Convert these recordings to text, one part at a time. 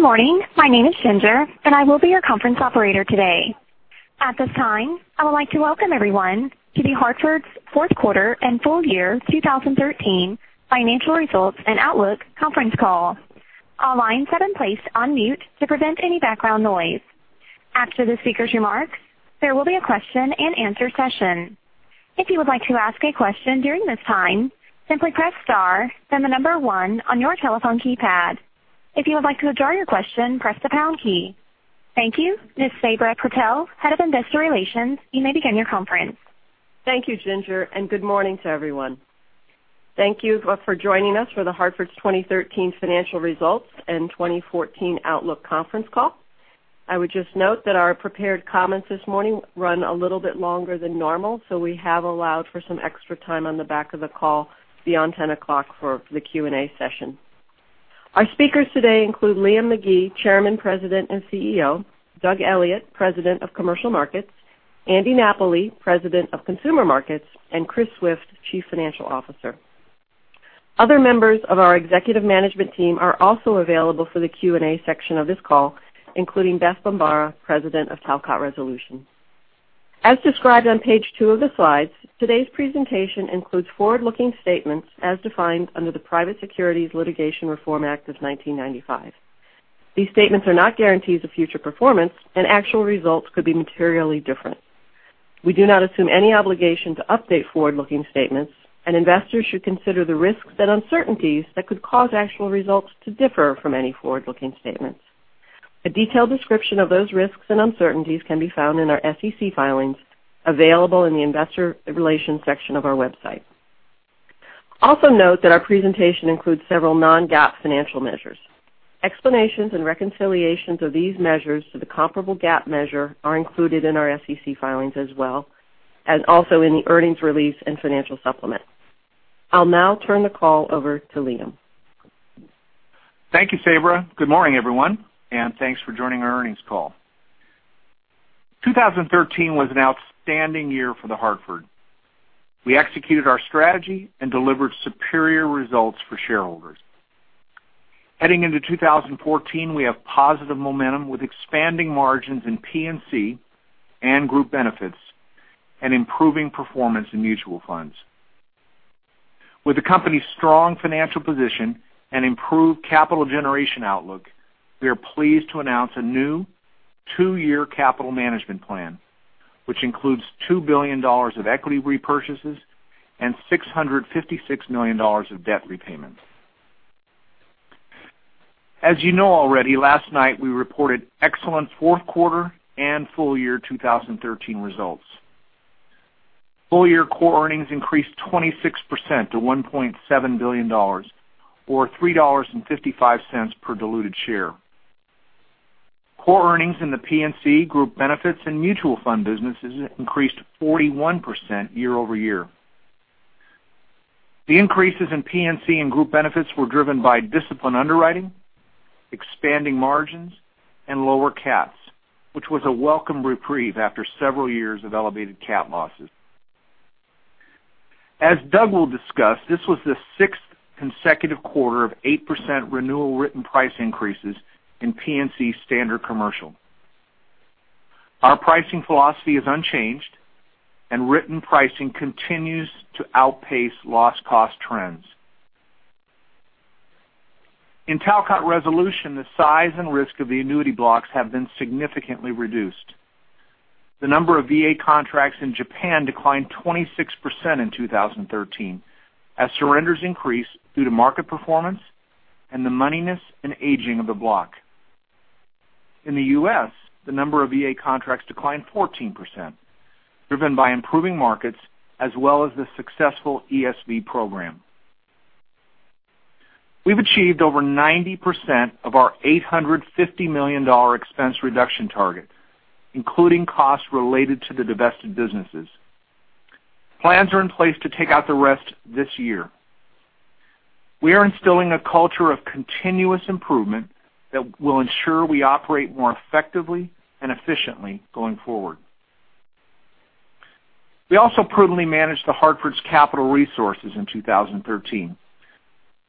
Good morning. My name is Ginger, and I will be your conference operator today. At this time, I would like to welcome everyone to The Hartford's fourth quarter and full year 2013 financial results and outlook conference call. All lines have been placed on mute to prevent any background noise. After the speakers' remarks, there will be a question and answer session. If you would like to ask a question during this time, simply press star then the number one on your telephone keypad. If you would like to withdraw your question, press the pound key. Thank you. Ms. Sabra Purtill, Head of Investor Relations, you may begin your conference. Thank you, Ginger. Good morning to everyone. Thank you for joining us for The Hartford's 2013 financial results and 2014 outlook conference call. I would just note that our prepared comments this morning run a little bit longer than normal. We have allowed for some extra time on the back of the call beyond 10:00 A.M. for the Q&A session. Our speakers today include Liam McGee, Chairman, President, and CEO; Doug Elliot, President of Commercial Markets; Andy Napoli, President of Consumer Markets; and Chris Swift, Chief Financial Officer. Other members of our executive management team are also available for the Q&A section of this call, including Beth Bombara, President of Talcott Resolution. As described on page two of the slides, today's presentation includes forward-looking statements as defined under the Private Securities Litigation Reform Act of 1995. These statements are not guarantees of future performance. Actual results could be materially different. We do not assume any obligation to update forward-looking statements. Investors should consider the risks and uncertainties that could cause actual results to differ from any forward-looking statements. A detailed description of those risks and uncertainties can be found in our SEC filings, available in the investor relations section of our website. Also note that our presentation includes several non-GAAP financial measures. Explanations and reconciliations of these measures to the comparable GAAP measure are included in our SEC filings as well. Also in the earnings release and financial supplement. I'll now turn the call over to Liam. Thank you, Sabra. Good morning, everyone. Thanks for joining our earnings call. 2013 was an outstanding year for The Hartford. We executed our strategy and delivered superior results for shareholders. Heading into 2014, we have positive momentum with expanding margins in P&C and group benefits and improving performance in mutual funds. With the company's strong financial position and improved capital generation outlook, we are pleased to announce a new 2-year capital management plan, which includes $2 billion of equity repurchases and $656 million of debt repayments. As you know already, last night we reported excellent fourth quarter and full year 2013 results. Full year core earnings increased 26% to $1.7 billion, or $3.55 per diluted share. Core earnings in the P&C group benefits and mutual fund businesses increased 41% year-over-year. The increases in P&C and group benefits were driven by disciplined underwriting, expanding margins, and lower cats, which was a welcome reprieve after several years of elevated cat losses. As Doug will discuss, this was the sixth consecutive quarter of 8% renewal written price increases in P&C standard commercial. Our pricing philosophy is unchanged, and written pricing continues to outpace loss cost trends. In Talcott Resolution, the size and risk of the annuity blocks have been significantly reduced. The number of VA contracts in Japan declined 26% in 2013 as surrenders increased due to market performance and the moneyness and aging of the block. In the U.S., the number of VA contracts declined 14%, driven by improving markets as well as the successful ESV program. We've achieved over 90% of our $850 million expense reduction target, including costs related to the divested businesses. Plans are in place to take out the rest this year. We are instilling a culture of continuous improvement that will ensure we operate more effectively and efficiently going forward. We also prudently managed The Hartford's capital resources in 2013,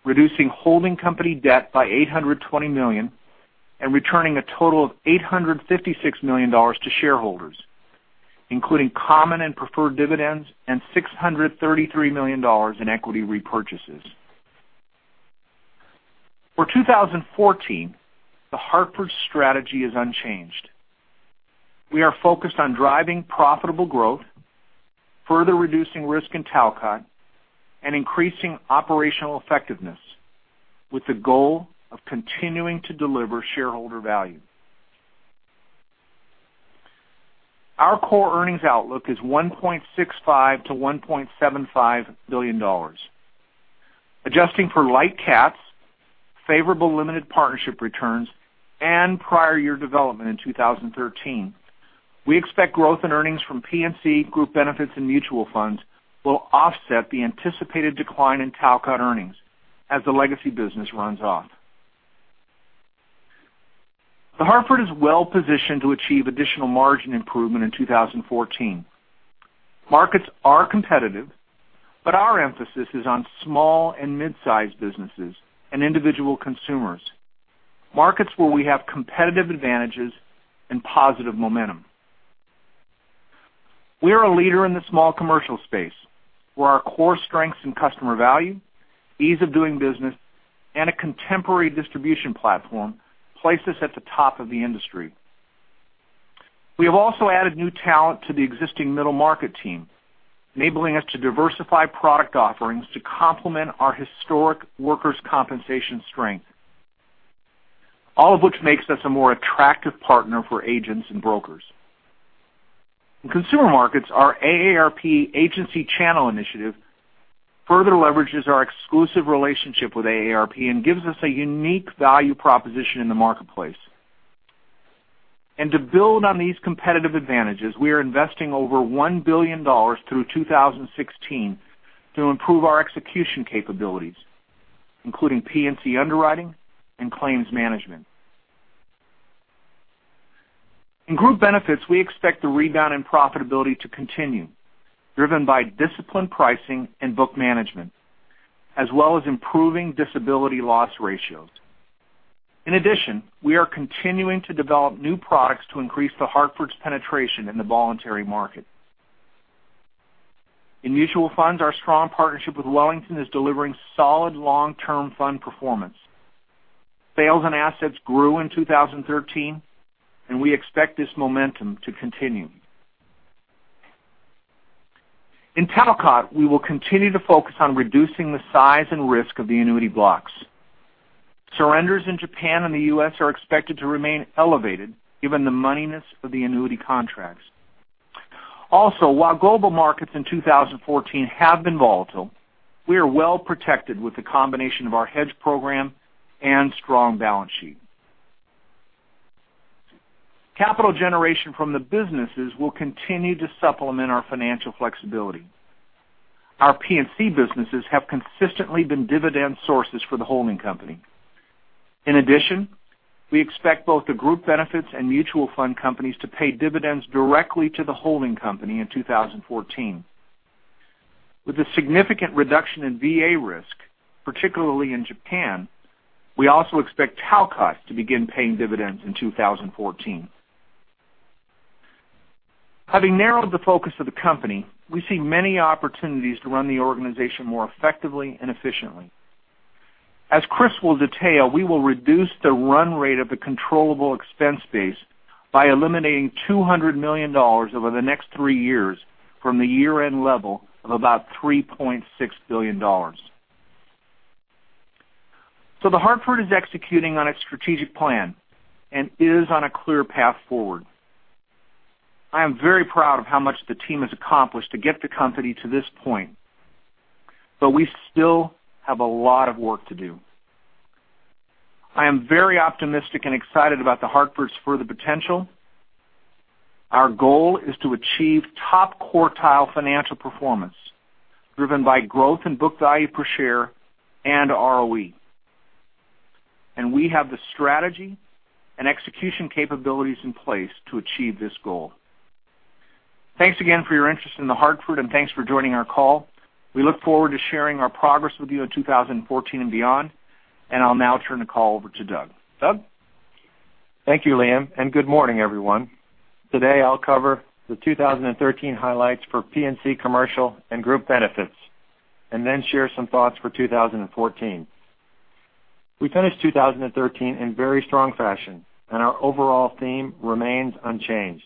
reducing holding company debt by $820 million and returning a total of $856 million to shareholders, including common and preferred dividends and $633 million in equity repurchases. For 2014, The Hartford's strategy is unchanged. We are focused on driving profitable growth, further reducing risk in Talcott, and increasing operational effectiveness with the goal of continuing to deliver shareholder value. Our core earnings outlook is $1.65 billion-$1.75 billion. Adjusting for light cats, favorable limited partnership returns, and prior year development in 2013, we expect growth in earnings from P&C, group benefits, and mutual funds will offset the anticipated decline in Talcott earnings as the legacy business runs off. The Hartford is well-positioned to achieve additional margin improvement in 2014. Markets are competitive, but our emphasis is on small and mid-size businesses and individual consumers, markets where we have competitive advantages and positive momentum. We are a leader in the small commercial space, where our core strengths in customer value, ease of doing business, and a contemporary distribution platform place us at the top of the industry. We have also added new talent to the existing middle market team, enabling us to diversify product offerings to complement our historic workers' compensation strength. All of which makes us a more attractive partner for agents and brokers. In Consumer Markets, our AARP agency channel initiative further leverages our exclusive relationship with AARP and gives us a unique value proposition in the marketplace. To build on these competitive advantages, we are investing over $1 billion through 2016 to improve our execution capabilities, including P&C underwriting and claims management. In group benefits, we expect the rebound in profitability to continue, driven by disciplined pricing and book management, as well as improving disability loss ratios. In addition, we are continuing to develop new products to increase The Hartford's penetration in the voluntary market. In mutual funds, our strong partnership with Wellington is delivering solid long-term fund performance. Sales and assets grew in 2013, and we expect this momentum to continue. In Talcott, we will continue to focus on reducing the size and risk of the annuity blocks. Surrenders in Japan and the U.S. are expected to remain elevated given the moneyness of the annuity contracts. While global markets in 2014 have been volatile, we are well-protected with the combination of our hedge program and strong balance sheet. Capital generation from the businesses will continue to supplement our financial flexibility. Our P&C businesses have consistently been dividend sources for the holding company. In addition, we expect both the group benefits and mutual fund companies to pay dividends directly to the holding company in 2014. With a significant reduction in VA risk, particularly in Japan, we also expect Talcott to begin paying dividends in 2014. Having narrowed the focus of the company, we see many opportunities to run the organization more effectively and efficiently. As Chris will detail, we will reduce the run rate of the controllable expense base by eliminating $200 million over the next three years from the year-end level of about $3.6 billion. The Hartford is executing on its strategic plan and is on a clear path forward. I am very proud of how much the team has accomplished to get the company to this point, but we still have a lot of work to do. I am very optimistic and excited about The Hartford's further potential. Our goal is to achieve top-quartile financial performance driven by growth in book value per share and ROE. We have the strategy and execution capabilities in place to achieve this goal. Thanks again for your interest in The Hartford, and thanks for joining our call. We look forward to sharing our progress with you in 2014 and beyond. I'll now turn the call over to Doug. Doug? Thank you, Liam, and good morning, everyone. Today, I'll cover the 2013 highlights for P&C Commercial and Group Benefits and then share some thoughts for 2014. We finished 2013 in very strong fashion, and our overall theme remains unchanged.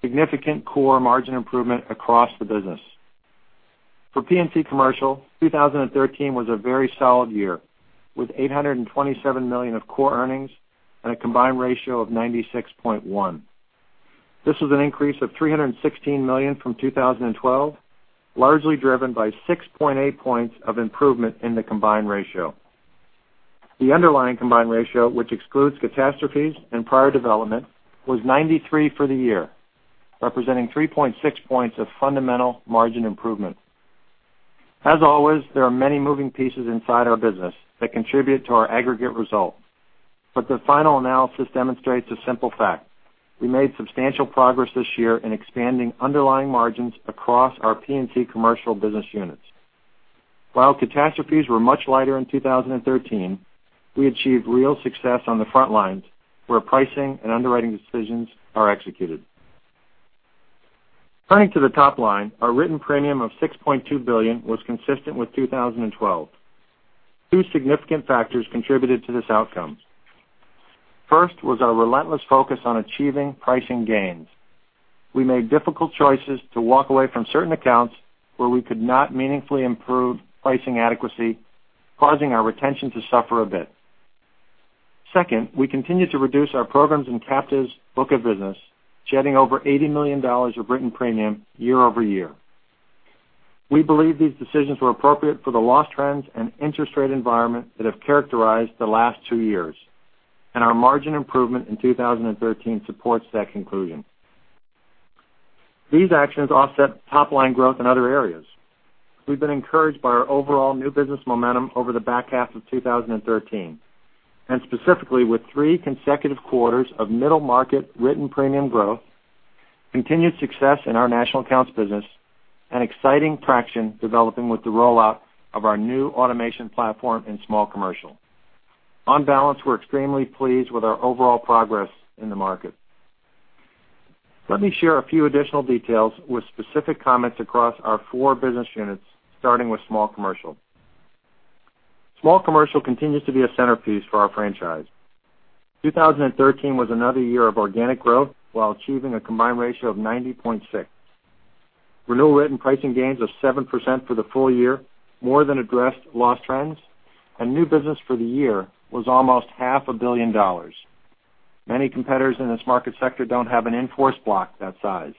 Significant core margin improvement across the business. For P&C Commercial, 2013 was a very solid year, with $827 million of core earnings and a combined ratio of 96.1. This was an increase of $316 million from 2012, largely driven by 6.8 points of improvement in the combined ratio. The underlying combined ratio, which excludes catastrophes and prior development, was 93 for the year, representing 3.6 points of fundamental margin improvement. As always, there are many moving pieces inside our business that contribute to our aggregate result, but the final analysis demonstrates a simple fact. We made substantial progress this year in expanding underlying margins across our P&C Commercial business units. While catastrophes were much lighter in 2013, we achieved real success on the front lines where pricing and underwriting decisions are executed. Turning to the top line, our written premium of $6.2 billion was consistent with 2012. Two significant factors contributed to this outcome. First was our relentless focus on achieving pricing gains. We made difficult choices to walk away from certain accounts where we could not meaningfully improve pricing adequacy, causing our retention to suffer a bit. Second, we continued to reduce our programs and captives book of business, shedding over $80 million of written premium year-over-year. We believe these decisions were appropriate for the loss trends and interest rate environment that have characterized the last two years, and our margin improvement in 2013 supports that conclusion. These actions offset top-line growth in other areas. We've been encouraged by our overall new business momentum over the back half of 2013, and specifically with three consecutive quarters of Middle Market written premium growth, continued success in our National Accounts business, and exciting traction developing with the rollout of our new automation platform in Small Commercial. On balance, we're extremely pleased with our overall progress in the market. Let me share a few additional details with specific comments across our four business units, starting with Small Commercial. Small Commercial continues to be a centerpiece for our franchise. 2013 was another year of organic growth while achieving a combined ratio of 90.6. Renewal written pricing gains of 7% for the full year more than addressed loss trends, and new business for the year was almost half a billion dollars. Many competitors in this market sector don't have an in-force block that size.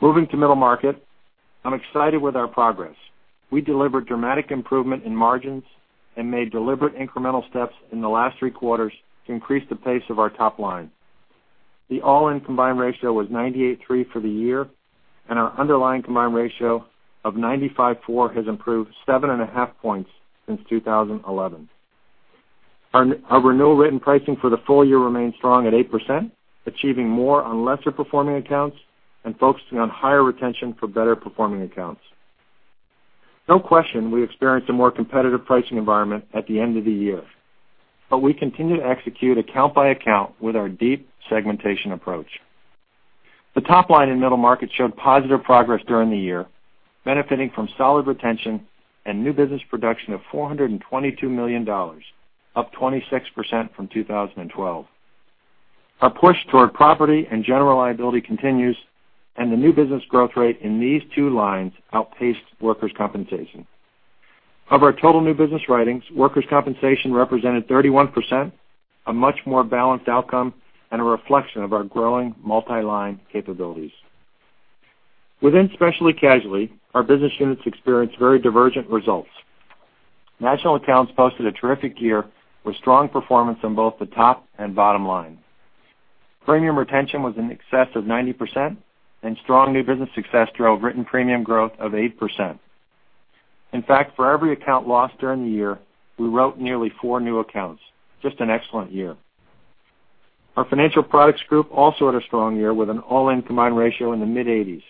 Moving to Middle Market, I'm excited with our progress. We delivered dramatic improvement in margins and made deliberate incremental steps in the last three quarters to increase the pace of our top-line. The all-in combined ratio was 98.3 for the year, and our underlying combined ratio of 95.4 has improved 7.5 points since 2011. Our renewal written pricing for the full year remains strong at 8%, achieving more on lesser performing accounts and focusing on higher retention for better performing accounts. No question, we experienced a more competitive pricing environment at the end of the year. We continue to execute account by account with our deep segmentation approach. The top-line in Middle Market showed positive progress during the year, benefiting from solid retention and new business production of $422 million, up 26% from 2012. Our push toward property and general liability continues. The new business growth rate in these two lines outpaced workers' compensation. Of our total new business writings, workers' compensation represented 31%, a much more balanced outcome, and a reflection of our growing multi-line capabilities. Within Specialty Casualty, our business units experienced very divergent results. National Accounts posted a terrific year with strong performance on both the top and bottom-line. Premium retention was in excess of 90%, and strong new business success drove written premium growth of 8%. In fact, for every account lost during the year, we wrote nearly four new accounts. Just an excellent year. Our Financial Products Group also had a strong year with an all-in combined ratio in the mid-80s.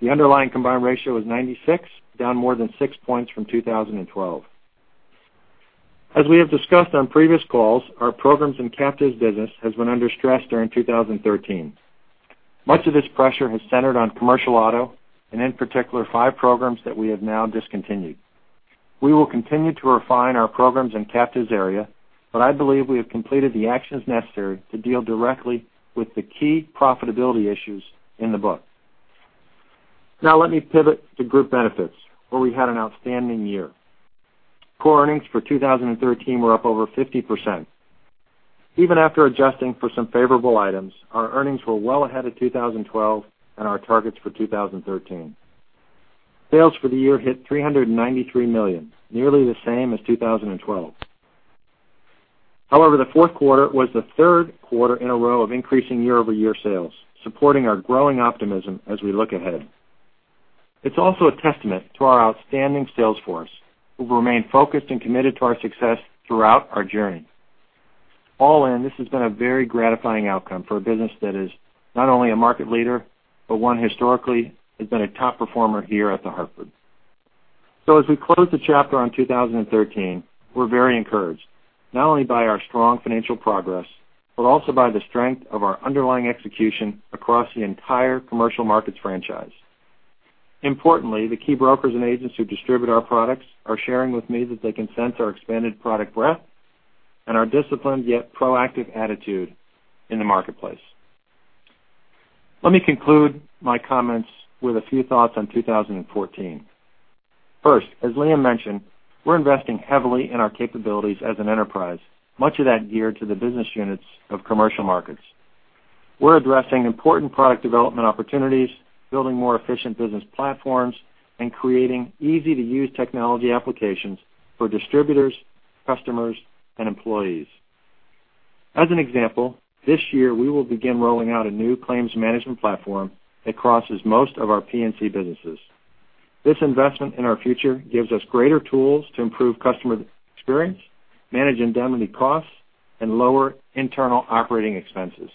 The underlying combined ratio was 96, down more than six points from 2012. As we have discussed on previous calls, our programs and Captives business has been under stress during 2013. Much of this pressure has centered on commercial auto, and in particular, five programs that we have now discontinued. We will continue to refine our programs in Captives area. I believe we have completed the actions necessary to deal directly with the key profitability issues in the book. Let me pivot to Group Benefits, where we had an outstanding year. Core earnings for 2013 were up over 50%. Even after adjusting for some favorable items, our earnings were well ahead of 2012 and our targets for 2013. Sales for the year hit $393 million, nearly the same as 2012. The fourth quarter was the third quarter in a row of increasing year-over-year sales, supporting our growing optimism as we look ahead. It's also a testament to our outstanding sales force, who've remained focused and committed to our success throughout our journey. All in, this has been a very gratifying outcome for a business that is not only a market leader, but one historically has been a top performer here at The Hartford. As we close the chapter on 2013, we're very encouraged, not only by our strong financial progress, but also by the strength of our underlying execution across the entire Commercial Markets franchise. Importantly, the key brokers and agents who distribute our products are sharing with me that they can sense our expanded product breadth and our disciplined yet proactive attitude in the marketplace. Let me conclude my comments with a few thoughts on 2014. First, as Liam mentioned, we're investing heavily in our capabilities as an enterprise, much of that geared to the business units of Commercial Markets. We're addressing important product development opportunities, building more efficient business platforms, and creating easy-to-use technology applications for distributors, customers, and employees. As an example, this year, we will begin rolling out a new claims management platform that crosses most of our P&C businesses. This investment in our future gives us greater tools to improve customer experience, manage indemnity costs, and lower internal operating expenses.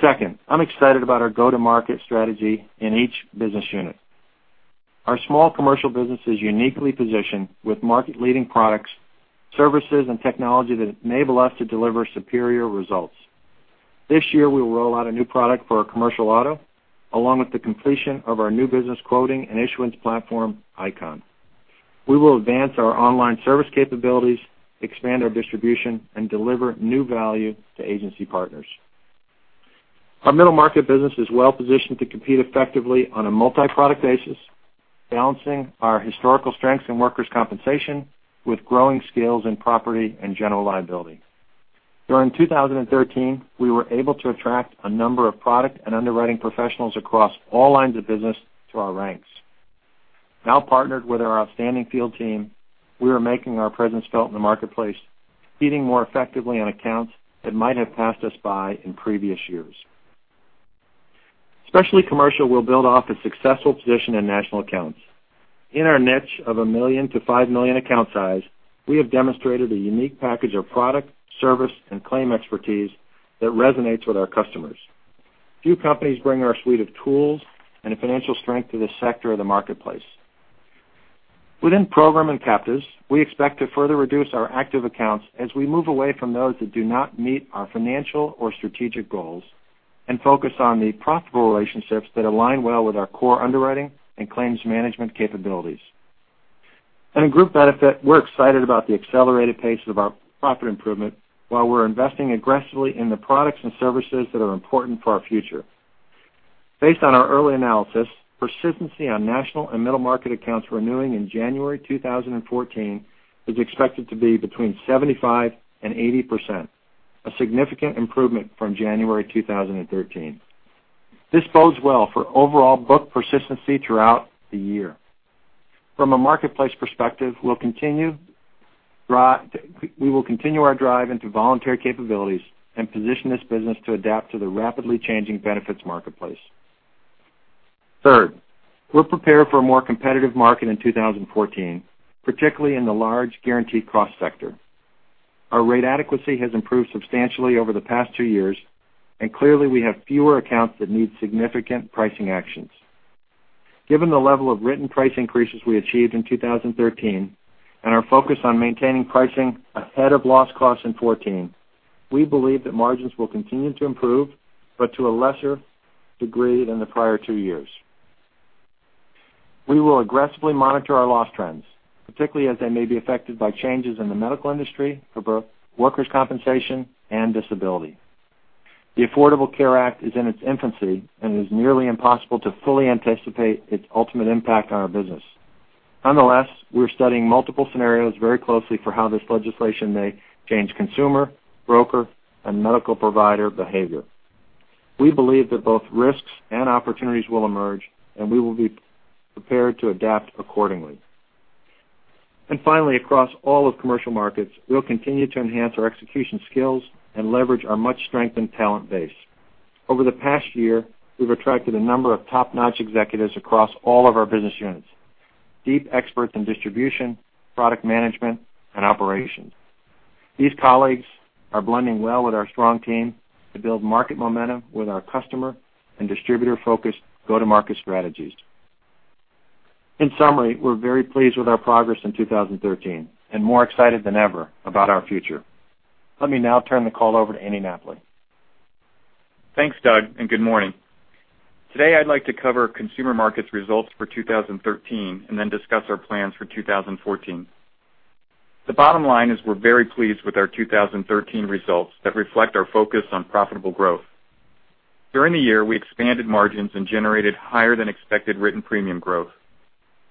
Second, I'm excited about our go-to-market strategy in each business unit. Our small commercial business is uniquely positioned with market leading products, services, and technology that enable us to deliver superior results. This year, we will roll out a new product for our commercial auto, along with the completion of our new business quoting and issuance platform, ICON. We will advance our online service capabilities, expand our distribution, and deliver new value to agency partners. Our middle market business is well positioned to compete effectively on a multi-product basis, balancing our historical strengths in workers' compensation with growing scales in property and general liability. During 2013, we were able to attract a number of product and underwriting professionals across all lines of business to our ranks. Now partnered with our outstanding field team, we are making our presence felt in the marketplace, feeding more effectively on accounts that might have passed us by in previous years. Specialty commercial will build off a successful position in national accounts. In our niche of a 1 million to 5 million account size, we have demonstrated a unique package of product, service, and claim expertise that resonates with our customers. Few companies bring our suite of tools and the financial strength to this sector of the marketplace. Within program and captives, we expect to further reduce our active accounts as we move away from those that do not meet our financial or strategic goals and focus on the profitable relationships that align well with our core underwriting and claims management capabilities. In group benefits, we're excited about the accelerated pace of our profit improvement while we're investing aggressively in the products and services that are important for our future. Based on our early analysis, persistency on national and middle market accounts renewing in January 2014 is expected to be between 75%-80%, a significant improvement from January 2013. This bodes well for overall book persistency throughout the year. From a marketplace perspective, we will continue our drive into voluntary capabilities and position this business to adapt to the rapidly changing benefits marketplace. Third, we are prepared for a more competitive market in 2014, particularly in the large guaranteed cost sector. Our rate adequacy has improved substantially over the past two years, and clearly, we have fewer accounts that need significant pricing actions. Given the level of written price increases we achieved in 2013 and our focus on maintaining pricing ahead of loss costs in 2014, we believe that margins will continue to improve, but to a lesser degree than the prior two years. We will aggressively monitor our loss trends, particularly as they may be affected by changes in the medical industry for both workers' compensation and disability. The Affordable Care Act is in its infancy, and it is nearly impossible to fully anticipate its ultimate impact on our business. Nonetheless, we are studying multiple scenarios very closely for how this legislation may change consumer, broker, and medical provider behavior. We believe that both risks and opportunities will emerge, and we will be prepared to adapt accordingly. Finally, across all of Commercial Markets, we will continue to enhance our execution skills and leverage our much-strengthened talent base. Over the past year, we have attracted a number of top-notch executives across all of our business units, deep experts in distribution, product management, and operations. These colleagues are blending well with our strong team to build market momentum with our customer and distributor-focused go-to-market strategies. In summary, we are very pleased with our progress in 2013 and more excited than ever about our future. Let me now turn the call over to Andy Napoli. Thanks, Doug, and good morning. Today, I would like to cover Consumer Markets results for 2013 and then discuss our plans for 2014. The bottom line is we are very pleased with our 2013 results that reflect our focus on profitable growth. During the year, we expanded margins and generated higher-than-expected written premium growth.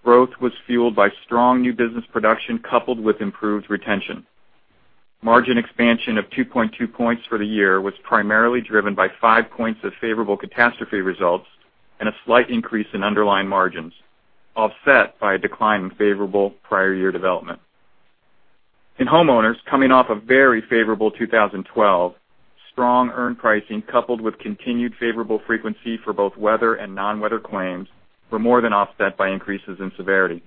Growth was fueled by strong new business production coupled with improved retention. Margin expansion of 2.2 points for the year was primarily driven by five points of favorable catastrophe results and a slight increase in underlying margins, offset by a decline in favorable prior year development. In homeowners, coming off a very favorable 2012, strong earned pricing coupled with continued favorable frequency for both weather and non-weather claims were more than offset by increases in severity.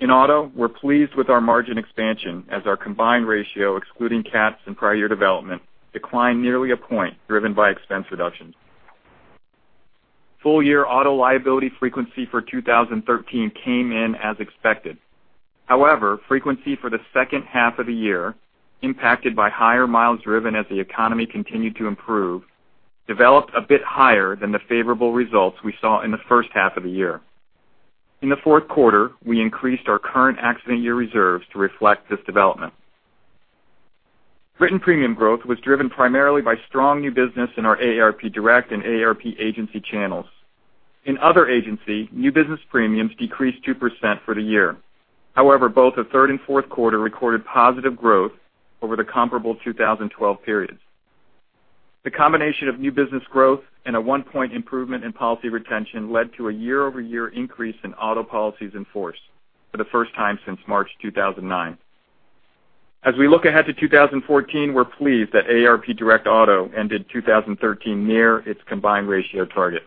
In auto, we're pleased with our margin expansion as our combined ratio, excluding CATs and prior year development, declined nearly one point driven by expense reduction. Full year auto liability frequency for 2013 came in as expected. However, frequency for the second half of the year, impacted by higher miles driven as the economy continued to improve, developed a bit higher than the favorable results we saw in the first half of the year. In the fourth quarter, we increased our current accident year reserves to reflect this development. Written premium growth was driven primarily by strong new business in our AARP Direct and AARP agency channels. In other agency, new business premiums decreased 2% for the year. However, both the third and fourth quarter recorded positive growth over the comparable 2012 periods. The combination of new business growth and a one-point improvement in policy retention led to a year-over-year increase in auto policies in force for the first time since March 2009. As we look ahead to 2014, we're pleased that AARP Direct Auto ended 2013 near its combined ratio target.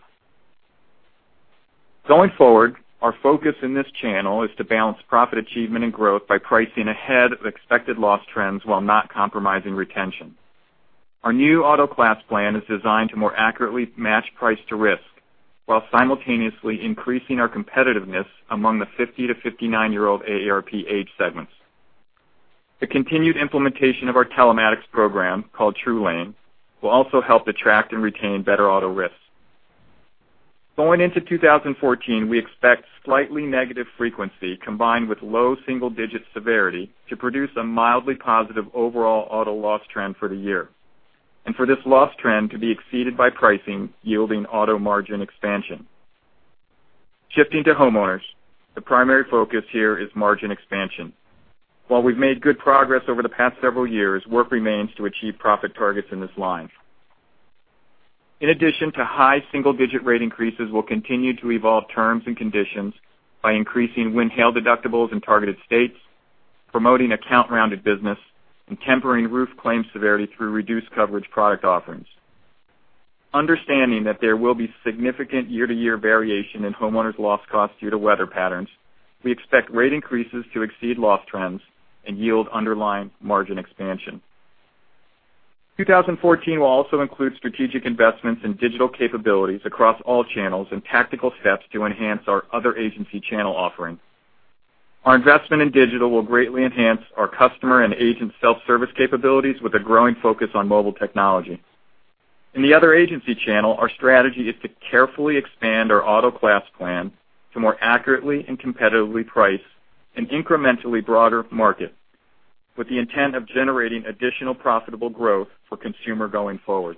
Going forward, our focus in this channel is to balance profit achievement and growth by pricing ahead of expected loss trends while not compromising retention. Our new auto class plan is designed to more accurately match price to risk while simultaneously increasing our competitiveness among the 50-59-year-old AARP age segments. The continued implementation of our telematics program, called TrueLane, will also help attract and retain better auto risks. Going into 2014, we expect slightly negative frequency combined with low single-digit severity to produce a mildly positive overall auto loss trend for the year, and for this loss trend to be exceeded by pricing yielding auto margin expansion. Shifting to homeowners, the primary focus here is margin expansion. While we've made good progress over the past several years, work remains to achieve profit targets in this line. In addition to high single-digit rate increases, we'll continue to evolve terms and conditions by increasing wind/hail deductibles in targeted states, promoting account-rounded business, and tempering roof claim severity through reduced coverage product offerings. Understanding that there will be significant year-to-year variation in homeowners' loss costs due to weather patterns, we expect rate increases to exceed loss trends and yield underlying margin expansion. 2014 will also include strategic investments in digital capabilities across all channels and tactical steps to enhance our other agency channel offerings. Our investment in digital will greatly enhance our customer and agent self-service capabilities with a growing focus on mobile technology. In the other agency channel, our strategy is to carefully expand our auto class plan to more accurately and competitively price an incrementally broader market with the intent of generating additional profitable growth for consumer going forward.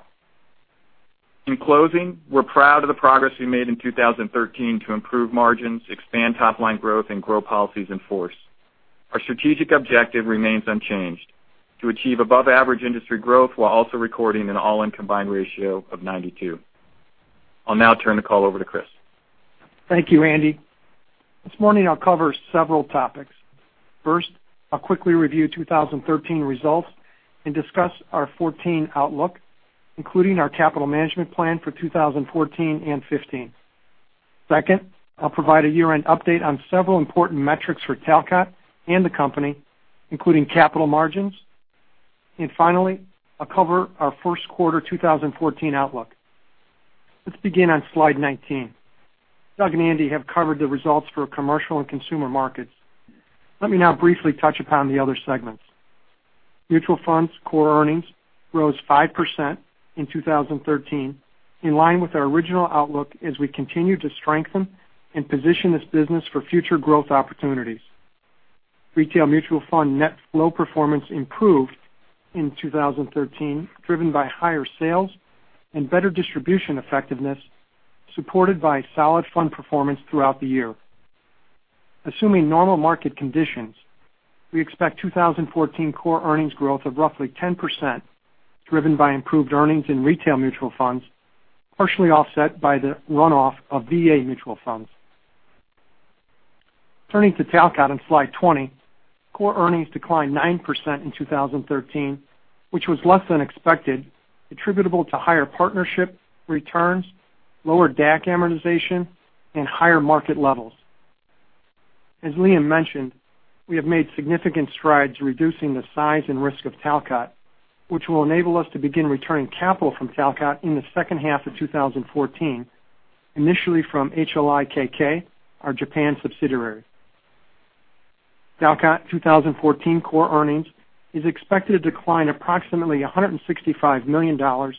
In closing, we're proud of the progress we made in 2013 to improve margins, expand top-line growth, and grow policies in force. Our strategic objective remains unchanged, to achieve above-average industry growth while also recording an all-in combined ratio of 92. I'll now turn the call over to Chris. Thank you, Andy. This morning, I'll cover several topics. First, I'll quickly review 2013 results and discuss our 2014 outlook, including our capital management plan for 2014 and 2015. Second, I'll provide a year-end update on several important metrics for Talcott and the company, including capital margins. Finally, I'll cover our first quarter 2014 outlook. Let's begin on slide 19. Doug and Andy have covered the results for Commercial Markets and Consumer Markets. Let me now briefly touch upon the other segments. Mutual funds core earnings rose 5% in 2013, in line with our original outlook, as we continue to strengthen and position this business for future growth opportunities. Retail mutual fund net flow performance improved in 2013, driven by higher sales and better distribution effectiveness, supported by solid fund performance throughout the year. Assuming normal market conditions, we expect 2014 core earnings growth of roughly 10%, driven by improved earnings in retail mutual funds, partially offset by the runoff of VA mutual funds. Turning to Talcott on slide 20, core earnings declined 9% in 2013, which was less than expected, attributable to higher partnership returns, lower DAC amortization, and higher market levels. As Liam mentioned, we have made significant strides reducing the size and risk of Talcott, which will enable us to begin returning capital from Talcott in the second half of 2014, initially from HLI KK, our Japan subsidiary. Talcott 2014 core earnings is expected to decline approximately $165 million, or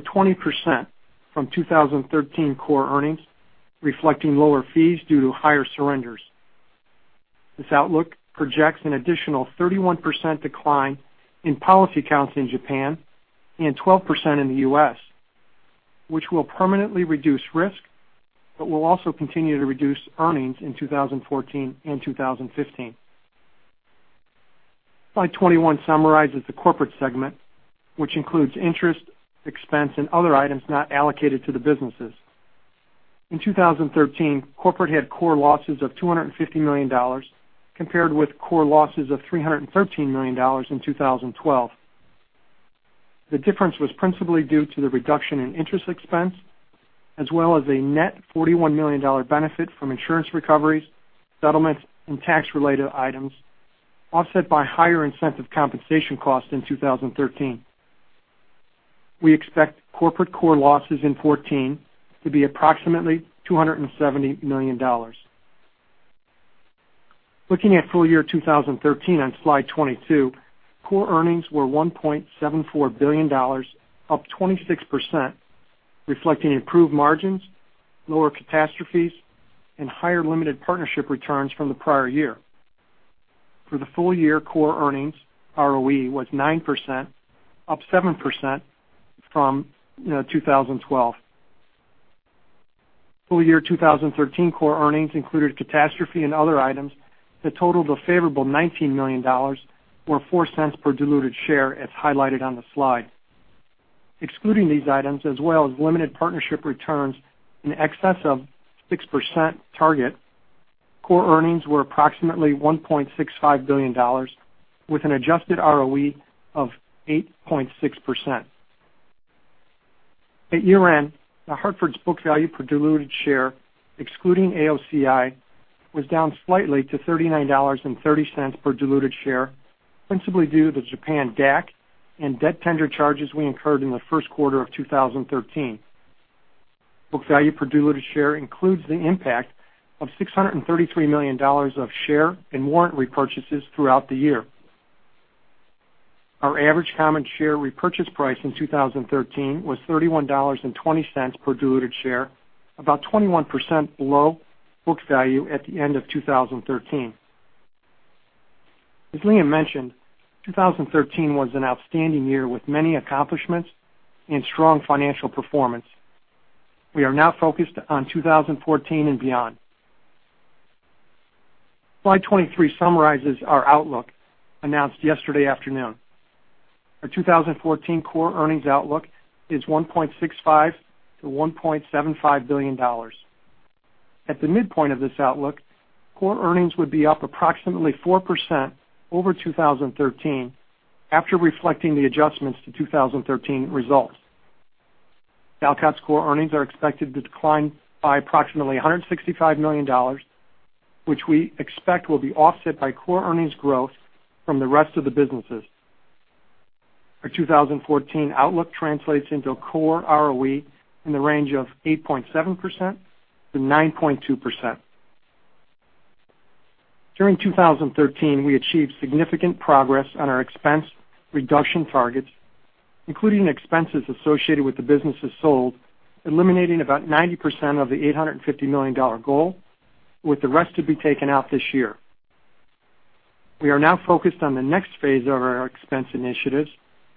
20%, from 2013 core earnings, reflecting lower fees due to higher surrenders. This outlook projects an additional 31% decline in policy counts in Japan and 12% in the U.S., which will permanently reduce risk but will also continue to reduce earnings in 2014 and 2015. Slide 21 summarizes the corporate segment, which includes interest, expense, and other items not allocated to the businesses. In 2013, corporate had core losses of $250 million, compared with core losses of $313 million in 2012. The difference was principally due to the reduction in interest expense, as well as a net $41 million benefit from insurance recoveries, settlements, and tax-related items, offset by higher incentive compensation costs in 2013. We expect corporate core losses in 2014 to be approximately $270 million. Looking at full year 2013 on slide 22, core earnings were $1.74 billion, up 26%, reflecting improved margins, lower catastrophes, and higher limited partnership returns from the prior year. For the full year, core earnings ROE was 9%, up 7% from 2012. Full year 2013 core earnings included catastrophe and other items that totaled a favorable $19 million, or $0.04 per diluted share, as highlighted on the slide. Excluding these items, as well as limited partnership returns in excess of 6% target, core earnings were approximately $1.65 billion, with an adjusted ROE of 8.6%. At year-end, The Hartford's book value per diluted share, excluding AOCI, was down slightly to $39.30 per diluted share, principally due to Japan DAC and debt tender charges we incurred in the first quarter of 2013. Book value per diluted share includes the impact of $633 million of share and warrant repurchases throughout the year. Our average common share repurchase price in 2013 was $31.20 per diluted share, about 21% below book value at the end of 2013. As Liam mentioned, 2013 was an outstanding year with many accomplishments and strong financial performance. We are now focused on 2014 and beyond. Slide 23 summarizes our outlook announced yesterday afternoon. Our 2014 core earnings outlook is $1.65 billion-$1.75 billion. At the midpoint of this outlook, core earnings would be up approximately 4% over 2013 after reflecting the adjustments to 2013 results. Talcott's core earnings are expected to decline by approximately $165 million, which we expect will be offset by core earnings growth from the rest of the businesses. Our 2014 outlook translates into a core ROE in the range of 8.7% to 9.2%. During 2013, we achieved significant progress on our expense reduction targets, including expenses associated with the businesses sold, eliminating about 90% of the $850 million goal, with the rest to be taken out this year. We are now focused on the next phase of our expense initiatives,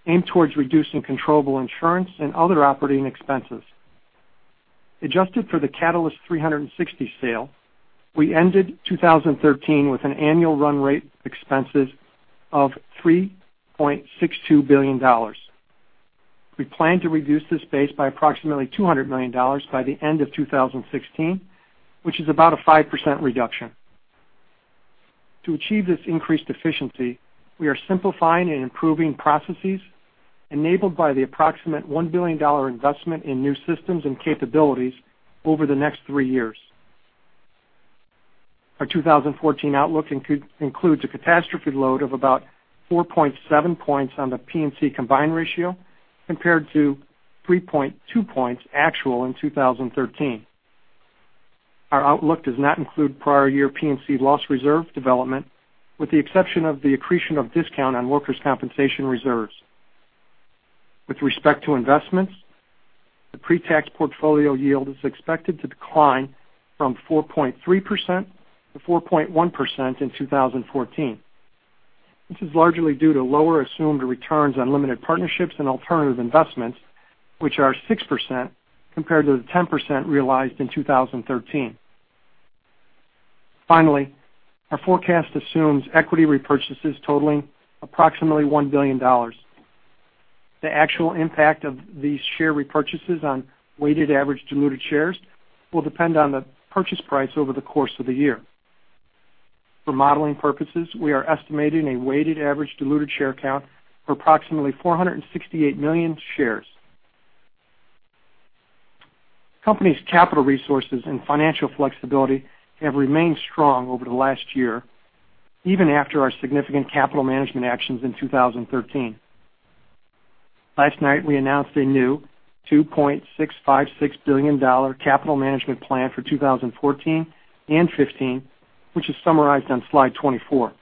aimed towards reducing controllable insurance and other operating expenses. Adjusted for the Catalyst 360 sale, we ended 2013 with an annual run rate expenses of $3.62 billion. We plan to reduce this base by approximately $200 million by the end of 2016, which is about a 5% reduction. To achieve this increased efficiency, we are simplifying and improving processes enabled by the approximate $1 billion investment in new systems and capabilities over the next three years. Our 2014 outlook includes a catastrophe load of about 4.7 points on the P&C combined ratio, compared to 3.2 points actual in 2013. Our outlook does not include prior year P&C loss reserve development, with the exception of the accretion of discount on workers' compensation reserves. With respect to investments, the pre-tax portfolio yield is expected to decline from 4.3% to 4.1% in 2014. This is largely due to lower assumed returns on limited partnerships and alternative investments, which are 6%, compared to the 10% realized in 2013. Finally, our forecast assumes equity repurchases totaling approximately $1 billion. The actual impact of these share repurchases on weighted average diluted shares will depend on the purchase price over the course of the year. For modeling purposes, we are estimating a weighted average diluted share count for approximately 468 million shares. Company's capital resources and financial flexibility have remained strong over the last year, even after our significant capital management actions in 2013. Last night, we announced a new $2.656 billion capital management plan for 2014 and 2015, which is summarized on slide 24.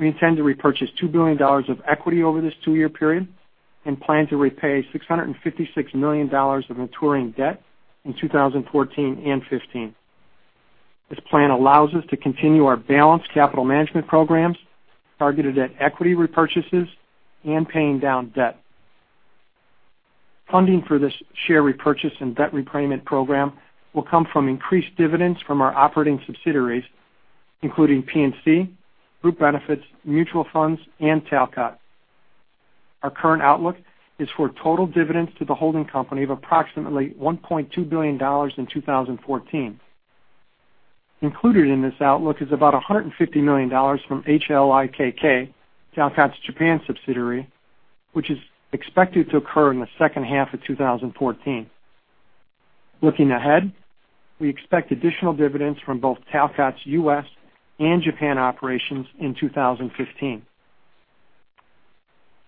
We intend to repurchase $2 billion of equity over this two-year period and plan to repay $656 million of maturing debt in 2014 and 2015. This plan allows us to continue our balanced capital management programs targeted at equity repurchases and paying down debt. Funding for this share repurchase and debt repayment program will come from increased dividends from our operating subsidiaries, including P&C, Group Benefits, Mutual Funds and Talcott. Our current outlook is for total dividends to the holding company of approximately $1.2 billion in 2014. Included in this outlook is about $150 million from HLIKK, Talcott's Japan subsidiary, which is expected to occur in the second half of 2014. Looking ahead, we expect additional dividends from both Talcott's U.S. and Japan operations in 2015.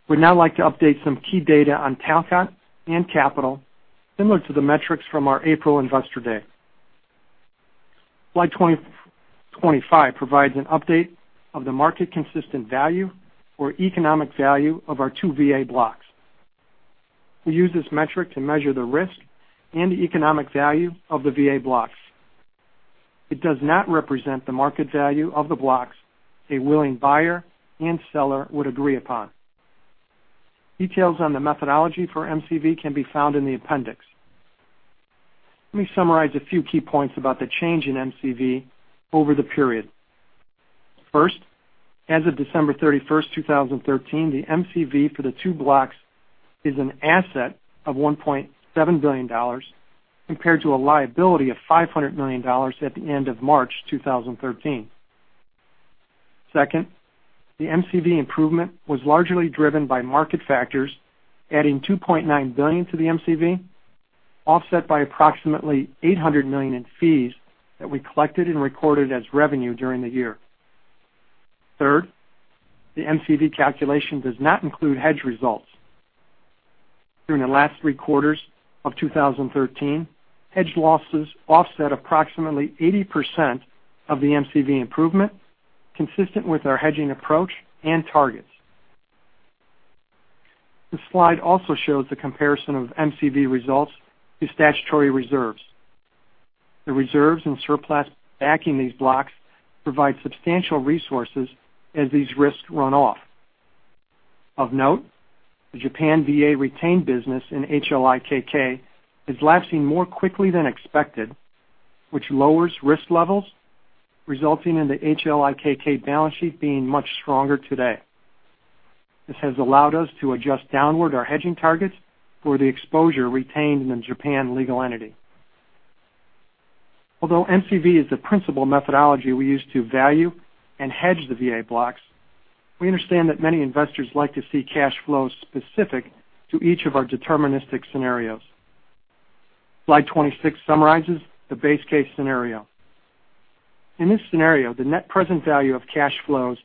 We'd now like to update some key data on Talcott and capital similar to the metrics from our April investor day. Slide 25 provides an update of the market consistent value or economic value of our two VA blocks. We use this metric to measure the risk and economic value of the VA blocks. It does not represent the market value of the blocks a willing buyer and seller would agree upon. Details on the methodology for MCV can be found in the appendix. Let me summarize a few key points about the change in MCV over the period. First, as of December 31st, 2013, the MCV for the two blocks is an asset of $1.7 billion, compared to a liability of $500 million at the end of March 2013. Second, the MCV improvement was largely driven by market factors, adding $2.9 billion to the MCV, offset by approximately $800 million in fees that we collected and recorded as revenue during the year. Third, the MCV calculation does not include hedge results. During the last three quarters of 2013, hedge losses offset approximately 80% of the MCV improvement, consistent with our hedging approach and targets. This slide also shows the comparison of MCV results to statutory reserves. The reserves and surplus backing these blocks provide substantial resources as these risks run off. Of note, the Japan VA retained business in HLIKK is lapsing more quickly than expected, which lowers risk levels, resulting in the HLIKK balance sheet being much stronger today. This has allowed us to adjust downward our hedging targets for the exposure retained in the Japan legal entity. Although MCV is the principal methodology we use to value and hedge the VA blocks, we understand that many investors like to see cash flow specific to each of our deterministic scenarios. Slide 26 summarizes the base case scenario. In this scenario, the net present value of cash flows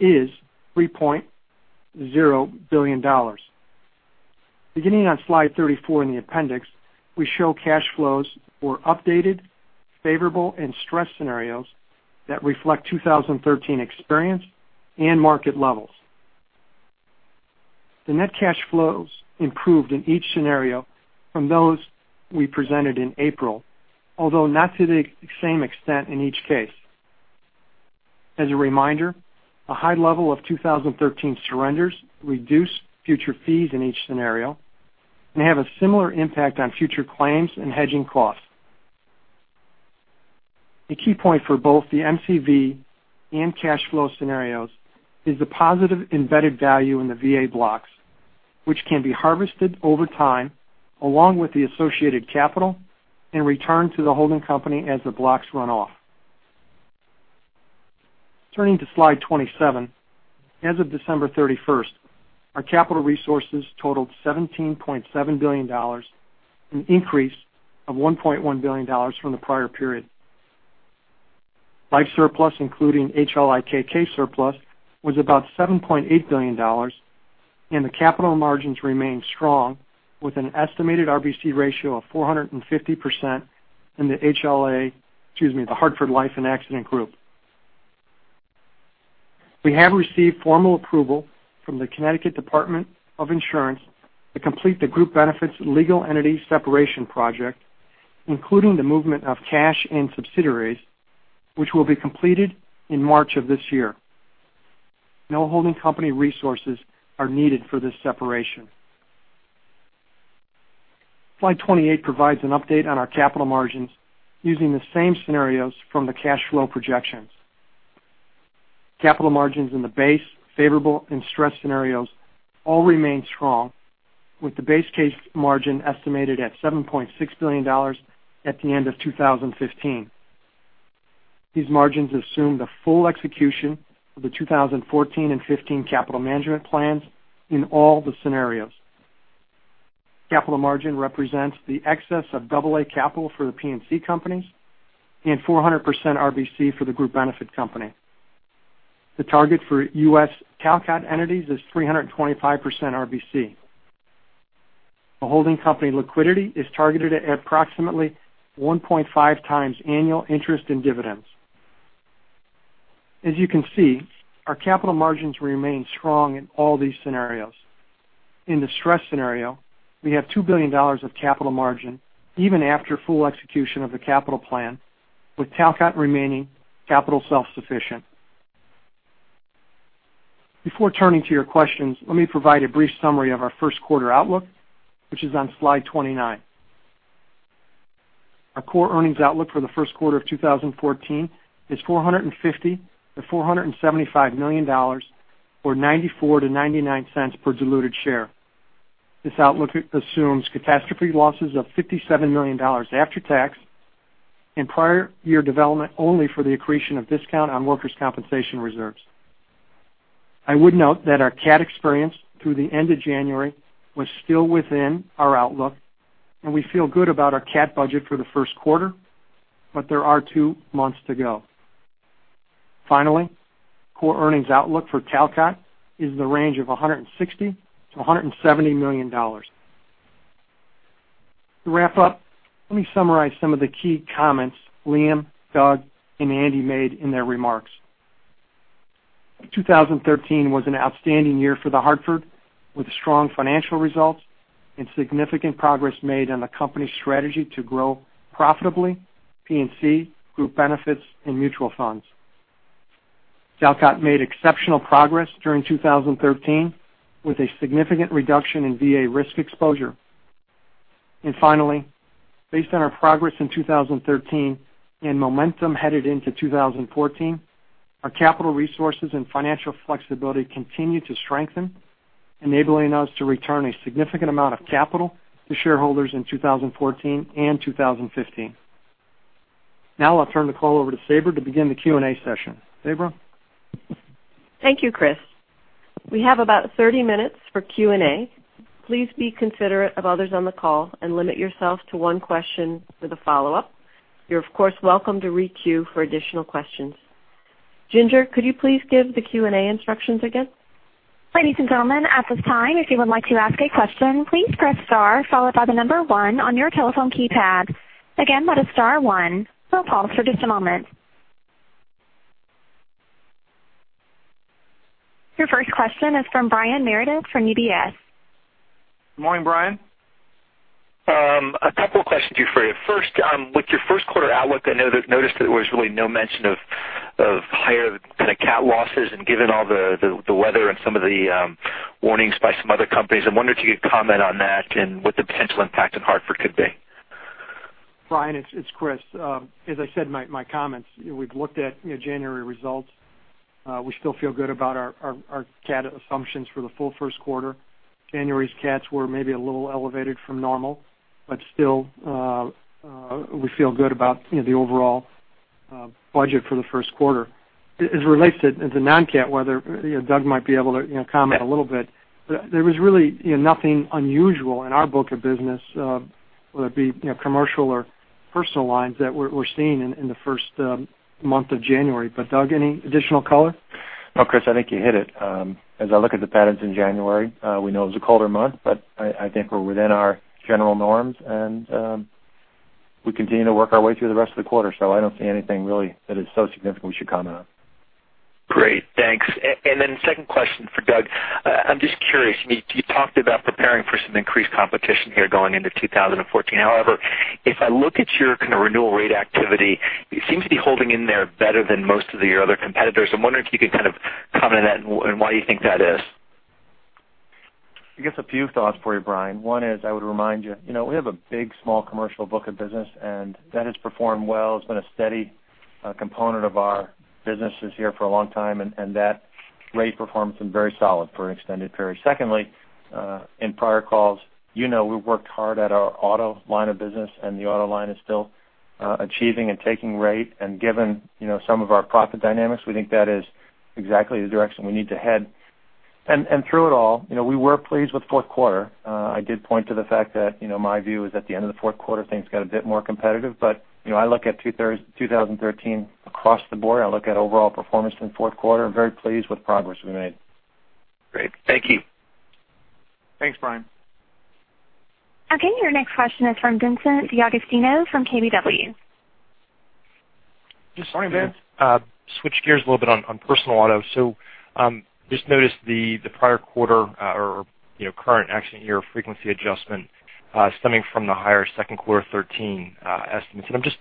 is $3.0 billion. Beginning on slide 34 in the appendix, we show cash flows for updated, favorable, and stress scenarios that reflect 2013 experience and market levels. The net cash flows improved in each scenario from those we presented in April, although not to the same extent in each case. As a reminder, a high level of 2013 surrenders reduce future fees in each scenario and have a similar impact on future claims and hedging costs. The key point for both the MCV and cash flow scenarios is the positive embedded value in the VA blocks, which can be harvested over time along with the associated capital and returned to the holding company as the blocks run off. Turning to slide 27, as of December 31st, our capital resources totaled $17.7 billion, an increase of $1.1 billion from the prior period. Life surplus, including HLIKK surplus, was about $7.8 billion and the capital margins remained strong with an estimated RBC ratio of 450% in The Hartford Life and Accident Group. We have received formal approval from the Connecticut Insurance Department to complete the group benefits legal entity separation project, including the movement of cash and subsidiaries, which will be completed in March of this year. No holding company resources are needed for this separation. Slide 28 provides an update on our capital margins using the same scenarios from the cash flow projections. Capital margins in the base, favorable, and stress scenarios all remain strong with the base case margin estimated at $7.6 billion at the end of 2015. These margins assume the full execution of the 2014 and 2015 capital management plans in all the scenarios. Capital margin represents the excess of AA capital for the P&C companies and 400% RBC for the group benefit company. The target for U.S. Talcott entities is 325% RBC. The holding company liquidity is targeted at approximately 1.5 times annual interest in dividends. As you can see, our capital margins remain strong in all these scenarios. In the stress scenario, we have $2 billion of capital margin even after full execution of the capital plan, with Talcott remaining capital self-sufficient. Before turning to your questions, let me provide a brief summary of our first quarter outlook, which is on slide 29. Our core earnings outlook for the first quarter of 2014 is $450 million-$475 million, or $0.94-$0.99 per diluted share. This outlook assumes catastrophe losses of $57 million after tax and prior year development only for the accretion of discount on workers' compensation reserves. I would note that our cat experience through the end of January was still within our outlook, and we feel good about our cat budget for the first quarter, but there are two months to go. Finally, core earnings outlook for Talcott is in the range of $160 million-$170 million. To wrap up, let me summarize some of the key comments Liam, Doug, and Andy made in their remarks. 2013 was an outstanding year for The Hartford, with strong financial results and significant progress made on the company's strategy to grow profitably P&C group benefits and mutual funds. Talcott made exceptional progress during 2013 with a significant reduction in VA risk exposure. Finally, based on our progress in 2013 and momentum headed into 2014, our capital resources and financial flexibility continue to strengthen, enabling us to return a significant amount of capital to shareholders in 2014 and 2015. I'll turn the call over to Sabra to begin the Q&A session. Sabra? Thank you, Chris. We have about 30 minutes for Q&A. Please be considerate of others on the call and limit yourself to one question with a follow-up. You're of course welcome to re-queue for additional questions. Ginger, could you please give the Q&A instructions again? Ladies and gentlemen, at this time, if you would like to ask a question, please press star followed by the number 1 on your telephone keypad. Again, that is star 1. We'll pause for just a moment. Your first question is from Brian Meredith from UBS. Morning, Brian. A couple of questions for you. First, with your first quarter outlook, I noticed that there was really no mention of higher kind of cat losses, and given all the weather and some of the warnings by some other companies, I wondered if you could comment on that and what the potential impact on The Hartford could be. Brian, it's Chris. As I said in my comments, we've looked at January results. We still feel good about our cat assumptions for the full first quarter. January's cats were maybe a little elevated from normal, but still, we feel good about the overall budget for the first quarter. As it relates to non-cat weather, Doug might be able to comment a little bit. There was really nothing unusual in our book of business, whether it be commercial or personal lines that we're seeing in the first month of January. Doug, any additional color? No, Chris, I think you hit it. As I look at the patterns in January, we know it was a colder month, but I think we're within our general norms and we continue to work our way through the rest of the quarter. I don't see anything really that is so significant we should comment on. Great. Thanks. Second question for Doug. I'm just curious, you talked about preparing for some increased competition here going into 2014. If I look at your kind of renewal rate activity, it seems to be holding in there better than most of your other competitors. I'm wondering if you could kind of comment on that and why you think that is. I guess a few thoughts for you, Brian. One is, I would remind you, we have a big, small commercial book of business, and that has performed well. It's been a steady component of our businesses here for a long time, and that rate performance has been very solid for an extended period. Secondly, in prior calls we've worked hard at our auto line of business, and the auto line is still achieving and taking rate, and given some of our profit dynamics, we think that is exactly the direction we need to head. Through it all, we were pleased with fourth quarter. I did point to the fact that my view is at the end of the fourth quarter, things got a bit more competitive. I look at 2013 across the board, I look at overall performance in the fourth quarter. I'm very pleased with the progress we made. Great. Thank you. Thanks, Brian. Okay, your next question is from Vincent DeAugustino from KBW. Yes, sorry, Vince. Switch gears a little bit on personal auto. Just noticed the prior quarter or current accident year frequency adjustment stemming from the higher second quarter 2013 estimates. I'm just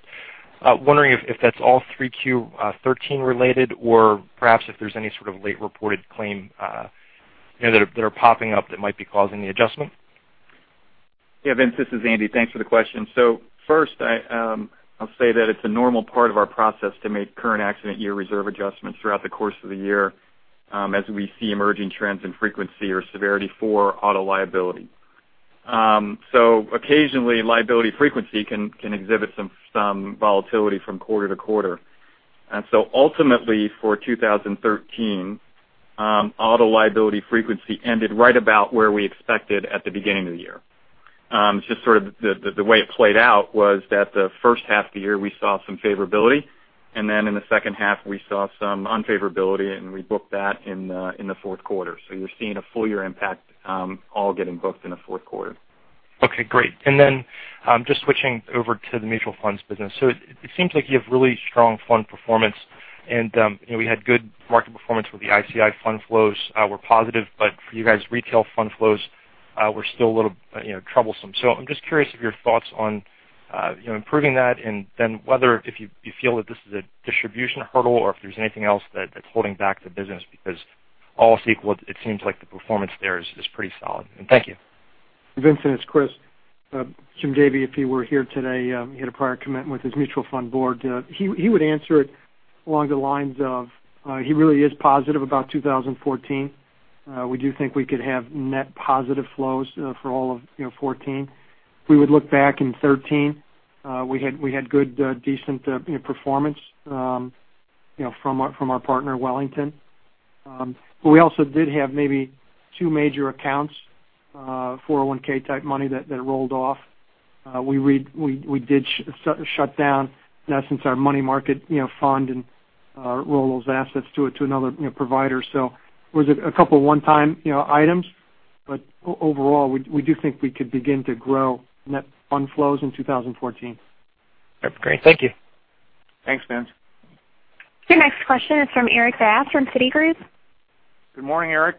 wondering if that's all 3Q 2013 related or perhaps if there's any sort of late reported claim that are popping up that might be causing the adjustment. Vince, this is Andy. Thanks for the question. First, I'll say that it's a normal part of our process to make current accident year reserve adjustments throughout the course of the year as we see emerging trends in frequency or severity for auto liability. Occasionally, liability frequency can exhibit some volatility from quarter to quarter. Ultimately for 2013, auto liability frequency ended right about where we expected at the beginning of the year. Just sort of the way it played out was that the first half of the year we saw some favorability, then in the second half we saw some unfavorability and we booked that in the fourth quarter. You're seeing a full-year impact all getting booked in the fourth quarter. Okay, great. Just switching over to the mutual funds business. It seems like you have really strong fund performance and we had good market performance with the ICI fund flows were positive, for you guys, retail fund flows were still a little troublesome. I'm just curious of your thoughts on improving that and then whether if you feel that this is a distribution hurdle or if there's anything else that's holding back the business because all is equal, it seems like the performance there is pretty solid. Thank you. Vincent, it's Chris. Jim Davey, if he were here today, he had a prior commitment with his mutual fund board. He would answer it along the lines of he really is positive about 2014. We do think we could have net positive flows for all of 2014. We would look back in 2013. We had good decent performance from our partner Wellington. We also did have maybe two major accounts, 401(k) type money that rolled off. We did shut down in essence our money market fund and roll those assets to another provider. It was a couple of one-time items, overall, we do think we could begin to grow net fund flows in 2014. Great. Thank you. Thanks, Vince. Your next question is from Erik Bass from Citigroup. Good morning, Erik.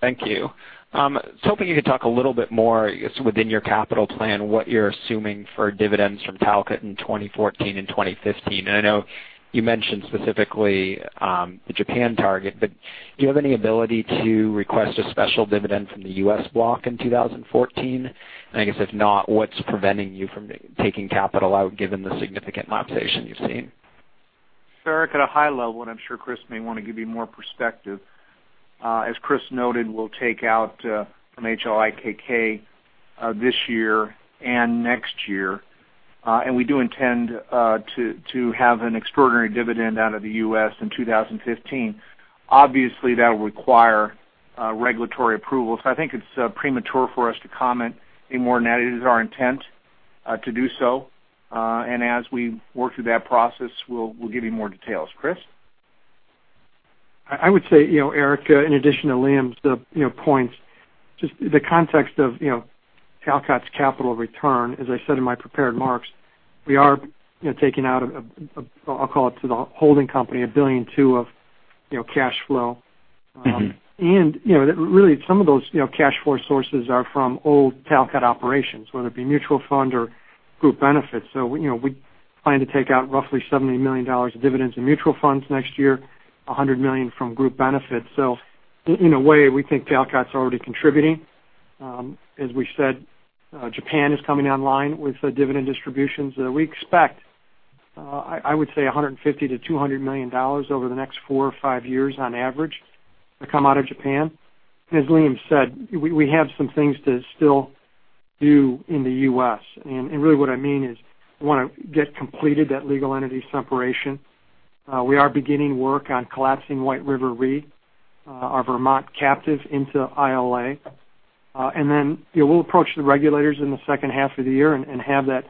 Thank you. I was hoping you could talk a little bit more within your capital plan what you're assuming for dividends from Talcott in 2014 and 2015. I know you mentioned specifically the Japan target, but do you have any ability to request a special dividend from the U.S. block in 2014? I guess if not, what's preventing you from taking capital out given the significant monetization you've seen? Erik, at a high level, I'm sure Chris may want to give you more perspective. As Chris noted, we'll take out from HLIKK this year and next year. We do intend to have an extraordinary dividend out of the U.S. in 2015. Obviously, that will require regulatory approval. I think it's premature for us to comment any more than that. It is our intent to do so. As we work through that process, we'll give you more details. Chris? I would say, Erik, in addition to Liam's points, just the context of Talcott's capital return, as I said in my prepared remarks, we are taking out, I'll call it to the holding company, $1.2 billion of Cash flow. Really some of those cash flow sources are from old Talcott operations, whether it be mutual fund or group benefits. We plan to take out roughly $70 million of dividends in mutual funds next year, $100 million from group benefits. In a way, we think Talcott's already contributing. As we said, Japan is coming online with the dividend distributions. We expect, I would say, $150 million-$200 million over the next four or five years on average to come out of Japan. As Liam said, we have some things to still do in the U.S. Really what I mean is we want to get completed that legal entity separation. We are beginning work on collapsing White River Re, our Vermont captive into ILA. Then, we'll approach the regulators in the second half of the year and have that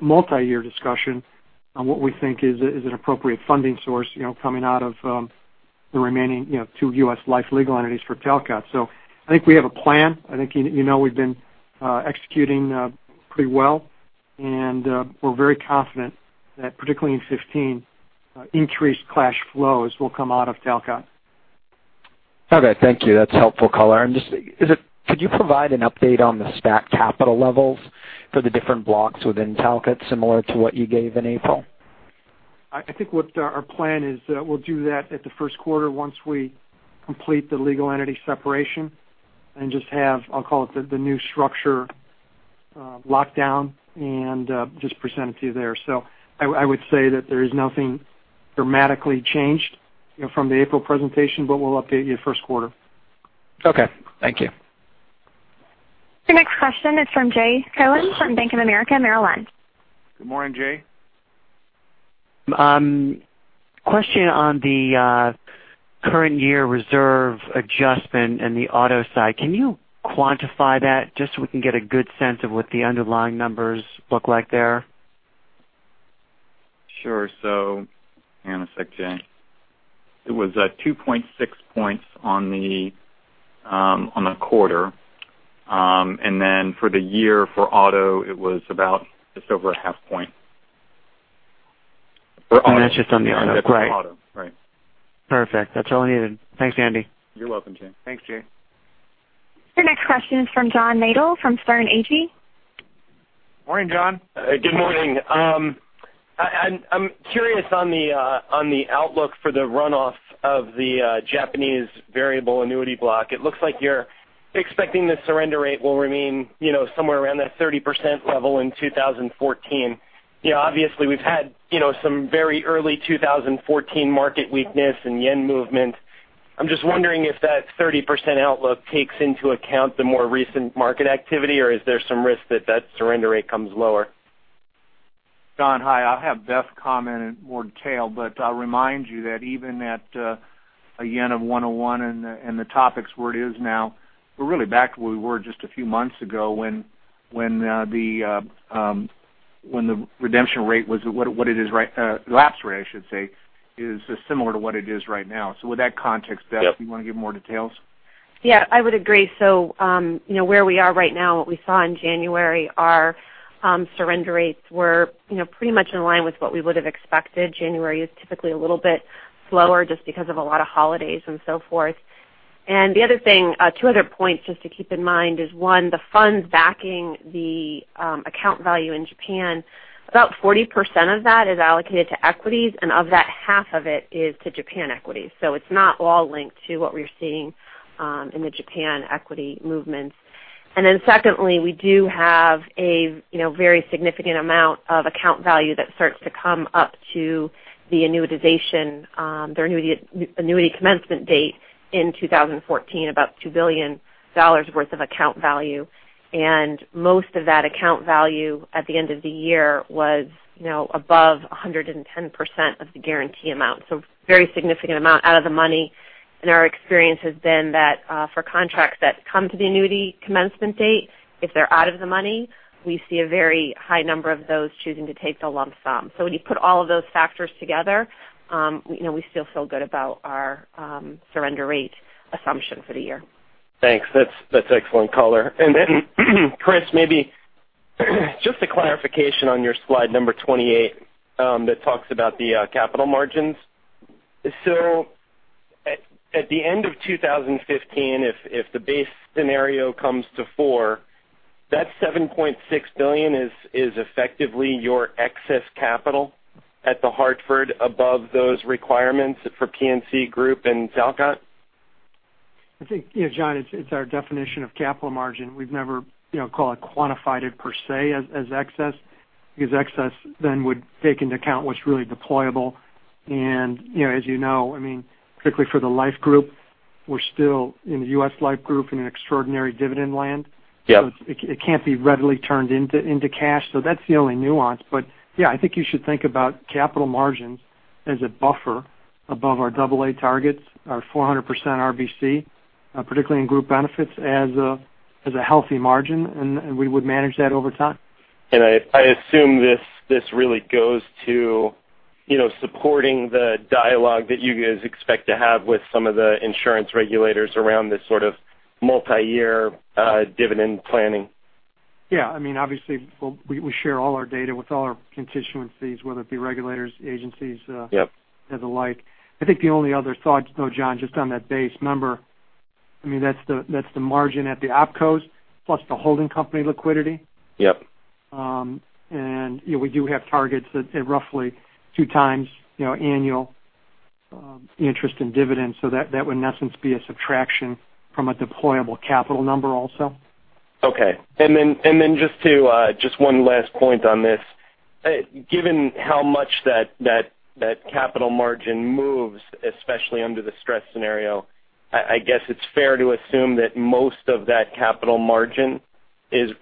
multi-year discussion on what we think is an appropriate funding source coming out of the remaining two U.S. life legal entities for Talcott. I think we have a plan. I think you know we've been executing pretty well, and we're very confident that particularly in 2015, increased cash flows will come out of Talcott. Okay, thank you. That's helpful color. Could you provide an update on the stack capital levels for the different blocks within Talcott, similar to what you gave in April? I think what our plan is, we'll do that at the first quarter once we complete the legal entity separation and just have, I'll call it, the new structure locked down and just present it to you there. I would say that there is nothing dramatically changed from the April presentation, but we'll update you first quarter. Okay, thank you. Your next question is from Jay Cohen from Bank of America Merrill Lynch. Good morning, Jay. Question on the current year reserve adjustment in the auto side. Can you quantify that just so we can get a good sense of what the underlying numbers look like there? Sure. Hang on a sec, Jay. It was at 2.6 points on the quarter. Then for the year for auto, it was about just over a half point. For auto. That's just on the auto. Great. That's auto, right. Perfect. That's all I needed. Thanks, Andy. You're welcome, Jay. Thanks, Jay. Your next question is from John Nadel from Sterne Agee. Morning, John. Good morning. I'm curious on the outlook for the runoff of the Japanese variable annuity block. It looks like you're expecting the surrender rate will remain somewhere around that 30% level in 2014. Obviously, we've had some very early 2014 market weakness and yen movement. I'm just wondering if that 30% outlook takes into account the more recent market activity, or is there some risk that that surrender rate comes lower? John, hi. I'll have Beth comment in more detail, but I'll remind you that even at a 101 yen and the Topix where it is now, we're really back to where we were just a few months ago when the redemption rate, lapse rate, I should say, is similar to what it is right now. With that context, Beth, do you want to give more details? Yeah, I would agree. Where we are right now, what we saw in January are surrender rates were pretty much in line with what we would have expected. January is typically a little bit slower just because of a lot of holidays and so forth. The other thing, two other points just to keep in mind is one, the funds backing the account value in Japan, about 40% of that is allocated to equities, and of that, half of it is to Japan equities. Secondly, we do have a very significant amount of account value that starts to come up to the annuitization, their annuity commencement date in 2014, about $2 billion worth of account value. Most of that account value at the end of the year was above 110% of the guarantee amount. Very significant amount out of the money. Our experience has been that for contracts that come to the annuity commencement date, if they're out of the money, we see a very high number of those choosing to take the lump sum. When you put all of those factors together, we still feel good about our surrender rate assumption for the year. Thanks. That's excellent color. Chris, maybe just a clarification on your slide number 28 that talks about the capital margins. At the end of 2015, if the base scenario comes to four, that $7.6 billion is effectively your excess capital at The Hartford above those requirements for P&C Group and Talcott? I think, yeah, John, it's our definition of capital margin. We've never quite quantified it per se as excess, because excess then would take into account what's really deployable. As you know, particularly for the Life Group, we're still in the U.S. Life Group in an extraordinary dividend land. Yep. It can't be readily turned into cash. That's the only nuance. Yeah, I think you should think about capital margins as a buffer above our double A targets, our 400% RBC, particularly in group benefits as a healthy margin, and we would manage that over time. I assume this really goes to supporting the dialogue that you guys expect to have with some of the insurance regulators around this sort of multi-year dividend planning. Yeah. Obviously, we share all our data with all our constituencies, whether it be regulators, agencies. Yep The like. I think the only other thought though, John, just on that base number, that's the margin at the opcos plus the holding company liquidity. Yep. We do have targets at roughly two times annual interest in dividends. That would, in essence, be a subtraction from a deployable capital number also. Okay. Just one last point on this. Given how much that capital margin moves, especially under the stress scenario, I guess it's fair to assume that most of that capital margin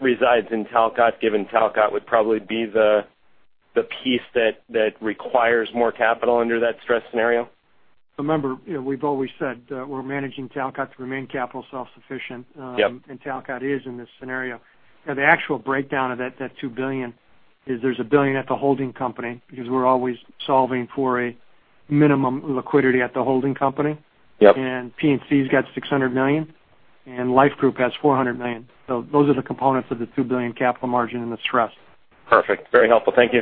resides in Talcott, given Talcott would probably be the piece that requires more capital under that stress scenario? We've always said, we're managing Talcott to remain capital self-sufficient. Talcott is in this scenario. The actual breakdown of that $2 billion is there's $1 billion at the holding company because we're always solving for a minimum liquidity at the holding company. Yep. P&C's got $600 million, Life Group has $400 million. Those are the components of the $2 billion capital margin in the stress. Perfect. Very helpful. Thank you.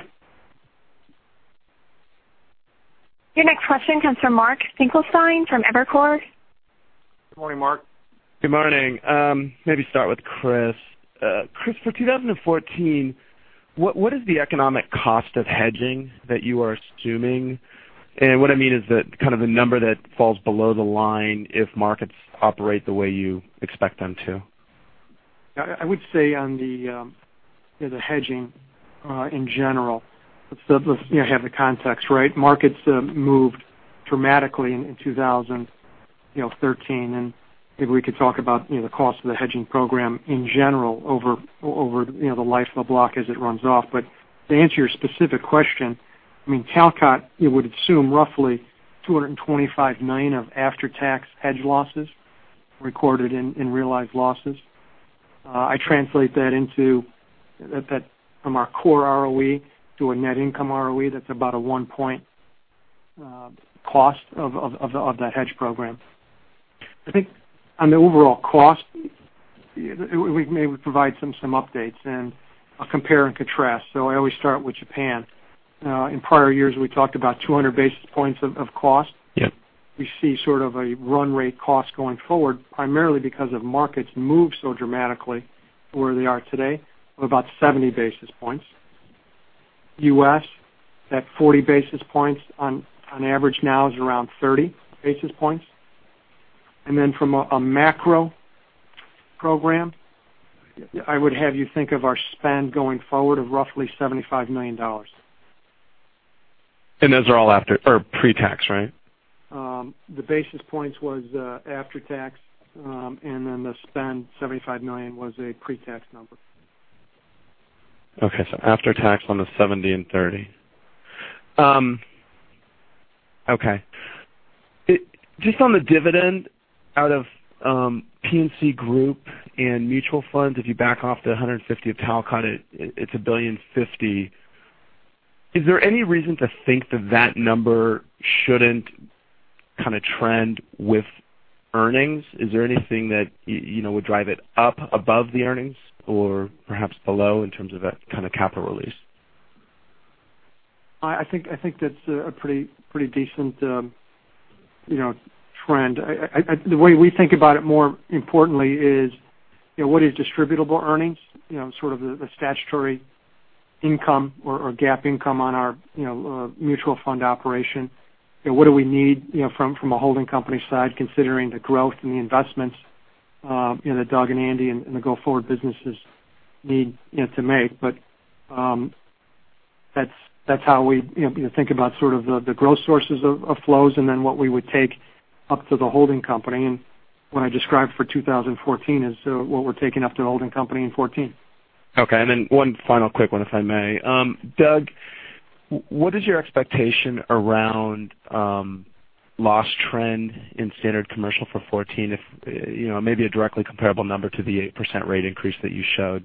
Your next question comes from Mark Finkelstein from Evercore. Good morning, Mark. Good morning. Maybe start with Chris. Chris, for 2014, what is the economic cost of hedging that you are assuming? What I mean is that kind of the number that falls below the line if markets operate the way you expect them to. I would say on the hedging, in general, let's have the context, right? Markets moved dramatically in 2013, maybe we could talk about the cost of the hedging program in general over the life of block as it runs off. To answer your specific question, Talcott would assume roughly $225 million of after-tax hedge losses recorded in realized losses. I translate that from our core ROE to a net income ROE, that's about a one point cost of that hedge program. I think on the overall cost, maybe we provide some updates and I'll compare and contrast. I always start with Japan. In prior years, we talked about 200 basis points of cost. Yep. We see sort of a run rate cost going forward, primarily because of markets moved so dramatically to where they are today of about 70 basis points. U.S., that 40 basis points on average now is around 30 basis points. Then from a macro program, I would have you think of our spend going forward of roughly $75 million. Those are all pre-tax, right? The basis points was after tax, and then the spend, $75 million, was a pre-tax number. Okay. After tax on the 70 and 30. Okay. Just on the dividend out of P&C Group and mutual funds, if you back off the 150 of Talcott, it's $1.05 billion. Is there any reason to think that that number shouldn't kind of trend with earnings? Is there anything that would drive it up above the earnings or perhaps below in terms of that kind of capital release? I think that's a pretty decent trend. The way we think about it, more importantly, is what is distributable earnings, sort of the statutory income or GAAP income on our mutual fund operation. What do we need from a holding company side, considering the growth and the investments that Doug and Andy and the go-forward businesses need to make. That's how we think about sort of the growth sources of flows and then what we would take up to the holding company. What I described for 2014 is what we're taking up to the holding company in 2014. Okay. One final quick one, if I may. Doug, what is your expectation around loss trend in standard commercial for 2014, maybe a directly comparable number to the 8% rate increase that you showed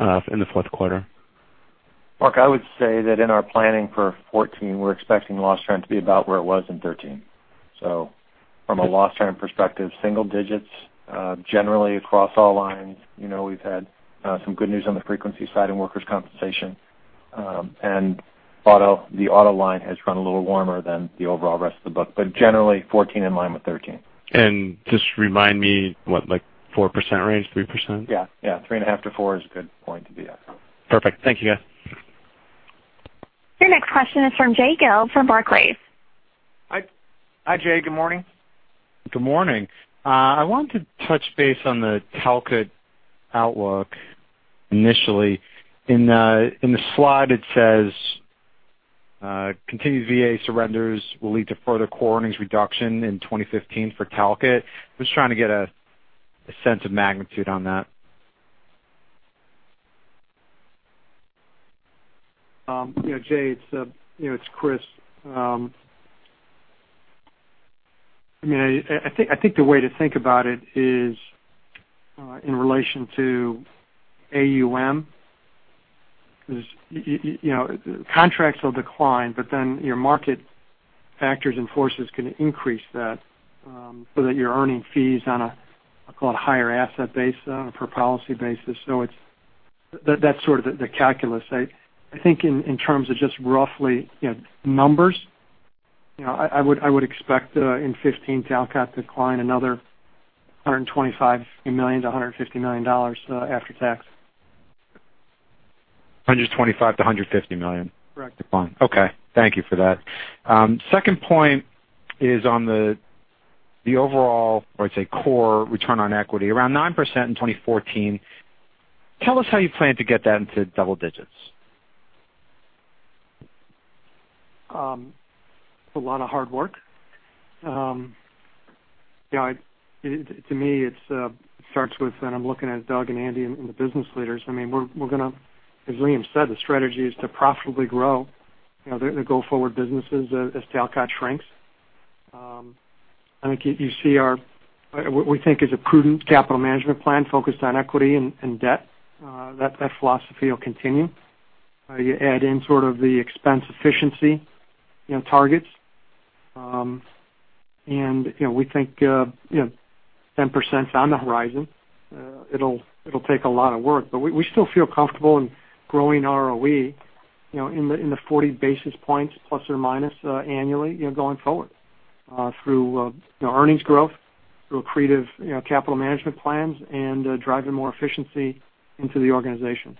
in the fourth quarter? Mark, I would say that in our planning for 2014, we're expecting loss trend to be about where it was in 2013. From a loss trend perspective, single digits, generally across all lines. We've had some good news on the frequency side in workers' compensation. The auto line has run a little warmer than the overall rest of the book. Generally, 2014 in line with 2013. Just remind me, what, like 4% range, 3%? Yeah. Three and a half to four is a good point to be at. Perfect. Thank you, guys. Your next question is from Jay Gelb from Barclays. Hi, Jay. Good morning. Good morning. I wanted to touch base on the Talcott outlook initially. In the slide it says, "Continued VA surrenders will lead to further core earnings reduction in 2015 for Talcott." I'm just trying to get a sense of magnitude on that. Jay, it's Chris. I think the way to think about it is in relation to AUM. Contracts will decline, but then your market factors and forces can increase that, so that you're earning fees on a, call it, higher asset base per policy basis. That's sort of the calculus. I think in terms of just roughly numbers, I would expect in 2015 Talcott decline another $125 million-$150 million after tax. $125 million-$150 million? Correct. Okay. Thank you for that. Second point is on the overall, or I'd say, core return on equity, around 9% in 2014. Tell us how you plan to get that into double digits. A lot of hard work. To me, it starts with, I'm looking at Doug and Andy and the business leaders. As Liam said, the strategy is to profitably grow the go-forward businesses as Talcott shrinks. I think you see our, what we think is a prudent capital management plan focused on equity and debt. That philosophy will continue. You add in sort of the expense efficiency targets. We think 10%'s on the horizon. It'll take a lot of work. We still feel comfortable in growing ROE in the 40 basis points, ±, annually, going forward through earnings growth, through accretive capital management plans, and driving more efficiency into the organization.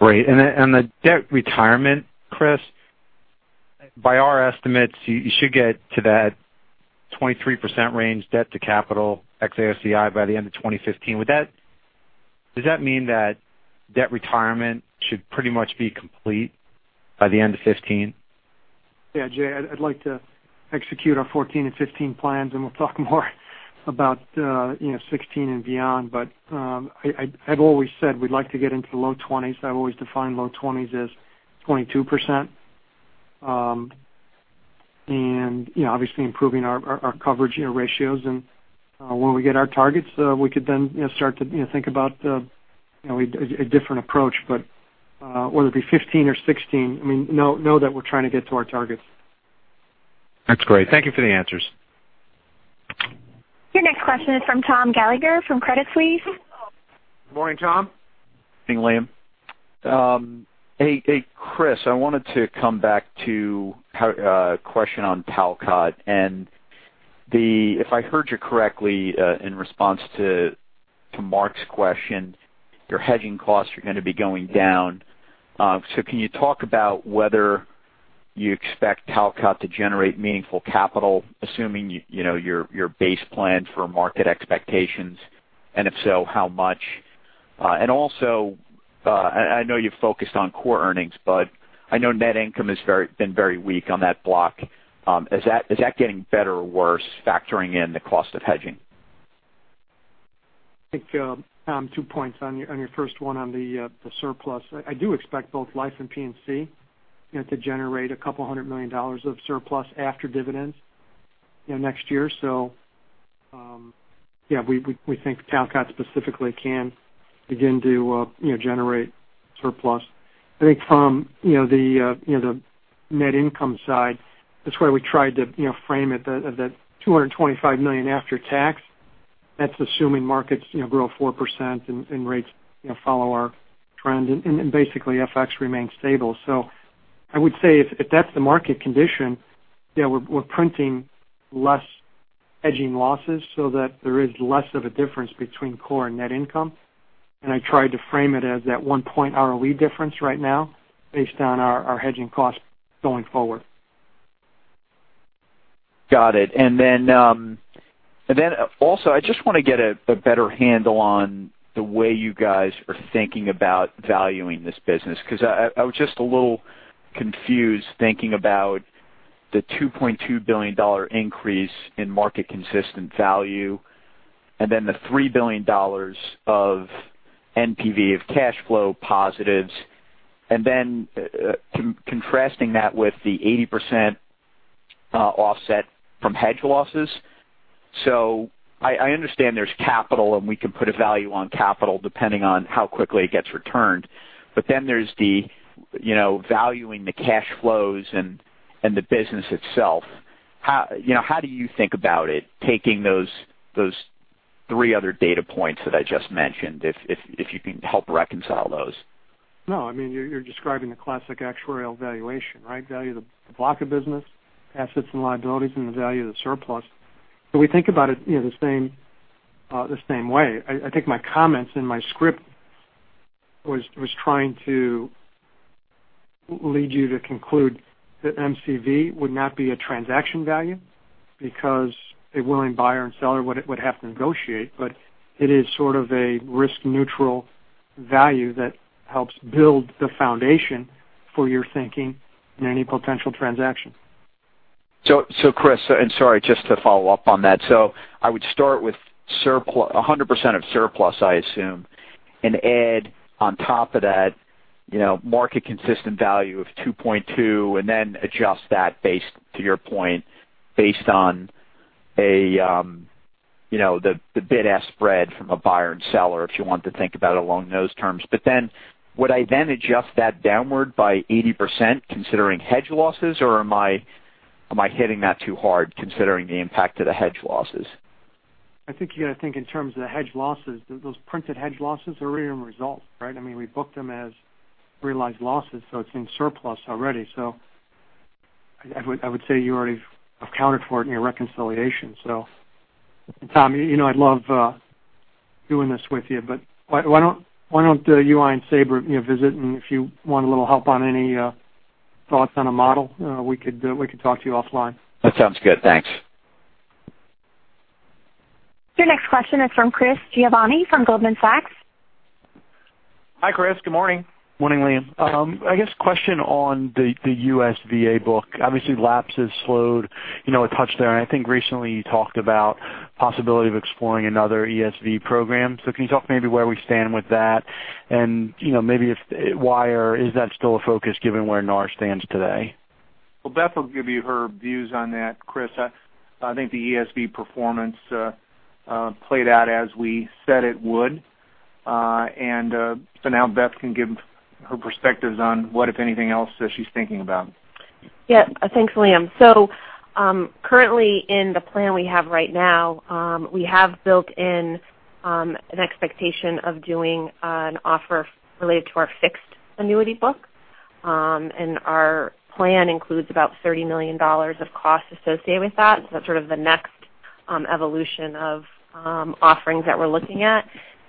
Great. The debt retirement, Chris, by our estimates, you should get to that 23% range, debt to capital ex AOCI by the end of 2015. Does that mean that debt retirement should pretty much be complete by the end of 2015? Jay, I'd like to execute our 2014 and 2015 plans. We'll talk more about 2016 and beyond. I've always said we'd like to get into the low 20s. I've always defined low 20s as 22%. Obviously improving our coverage ratios. When we get our targets, we could then start to think about a different approach. Whether it be 2015 or 2016, know that we're trying to get to our targets. That's great. Thank you for the answers. Your next question is from Thomas Gallagher from Credit Suisse. Morning, Tom. Morning, Liam. Hey, Chris, I wanted to come back to a question on Talcott. If I heard you correctly in response to Mark's question, your hedging costs are going to be going down. Can you talk about whether you expect Talcott to generate meaningful capital, assuming your base plan for market expectations, and if so, how much? Also, I know you focused on core earnings, but I know net income has been very weak on that block. Is that getting better or worse, factoring in the cost of hedging? I think, Tom, two points on your first one on the surplus. I do expect both Life and P&C to generate a couple hundred million dollars of surplus after dividends next year. We think Talcott specifically can begin to generate surplus. I think from the net income side, that's why we tried to frame it at that $225 million after tax. That's assuming markets grow 4% and rates follow our trend and basically FX remains stable. I would say if that's the market condition, we're printing less hedging losses so that there is less of a difference between core and net income. I tried to frame it as that one point ROE difference right now based on our hedging costs going forward. Got it. Also, I just want to get a better handle on the way you guys are thinking about valuing this business, because I was just a little confused thinking about the $2.2 billion increase in market consistent value and then the $3 billion of NPV of cash flow positives, and then contrasting that with the 80% offset from hedge losses. I understand there's capital, and we can put a value on capital depending on how quickly it gets returned. There's the valuing the cash flows and the business itself. How do you think about it, taking those three other data points that I just mentioned, if you can help reconcile those? No, you're describing the classic actuarial valuation, right? Value the block of business, assets and liabilities, and the value of the surplus. We think about it the same way. I think my comments in my script was trying to lead you to conclude that MCV would not be a transaction value because a willing buyer and seller would have to negotiate. It is sort of a risk-neutral value that helps build the foundation for your thinking in any potential transaction. Chris, and sorry, just to follow up on that. I would start with 100% of surplus, I assume, and add on top of that market consistent value of $2.2 and then adjust that to your point based on the bid-ask spread from a buyer and seller, if you want to think about it along those terms. Would I then adjust that downward by 80% considering hedge losses? Am I hitting that too hard considering the impact of the hedge losses? I think you got to think in terms of the hedge losses. Those printed hedge losses are already in results, right? We booked them as realized losses, so it's in surplus already. I would say you already accounted for it in your reconciliation. Tom, I love doing this with you, why don't you and Sabra visit, and if you want a little help on any thoughts on a model, we could talk to you offline. That sounds good. Thanks. Your next question is from Chris Giovanni from Goldman Sachs. Hi, Chris. Good morning. Morning, Liam. I guess question on the US DA book. Obviously, lapses slowed. It touched there, and I think recently you talked about possibility of exploring another ESV program. Can you talk maybe where we stand with that? Maybe why or is that still a focus given where NAR stands today? Beth will give you her views on that, Chris. I think the ESV performance played out as we said it would. Now Beth can give her perspectives on what, if anything, else that she's thinking about. Yeah. Thanks, Liam. Currently, in the plan we have right now, we have built in an expectation of doing an offer related to our fixed annuity book. Our plan includes about $30 million of cost associated with that. That's sort of the next evolution of offerings that we're looking at.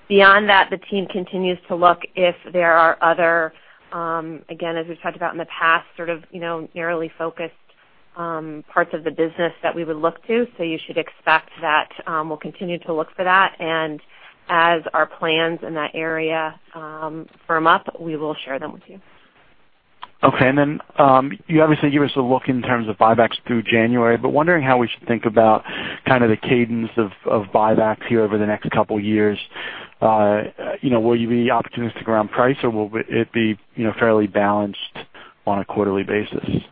Beyond that, the team continues to look if there are other, again, as we've talked about in the past, sort of narrowly focused parts of the business that we would look to. You should expect that we'll continue to look for that. As our plans in that area firm up, we will share them with you. Okay. Then, you obviously gave us a look in terms of buybacks through January, I'm wondering how we should think about kind of the cadence of buybacks here over the next couple of years. Will you be opportunistic around price or will it be fairly balanced on a quarterly basis?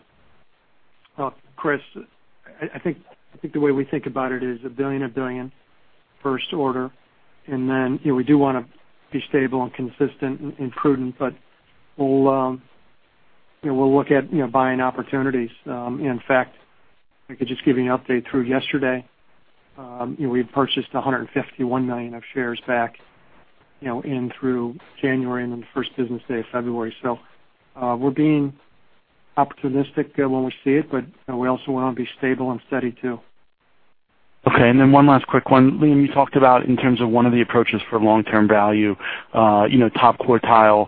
Well, Chris, I think the way we think about it is a billion first order. Then we do want to be stable and consistent and prudent, but we'll look at buying opportunities. In fact, I could just give you an update through yesterday. We had purchased 151 million of shares back in through January and then the first business day of February. We're being opportunistic when we see it, but we also want to be stable and steady, too. Okay. One last quick one. Liam, you talked about in terms of one of the approaches for long-term value, top quartile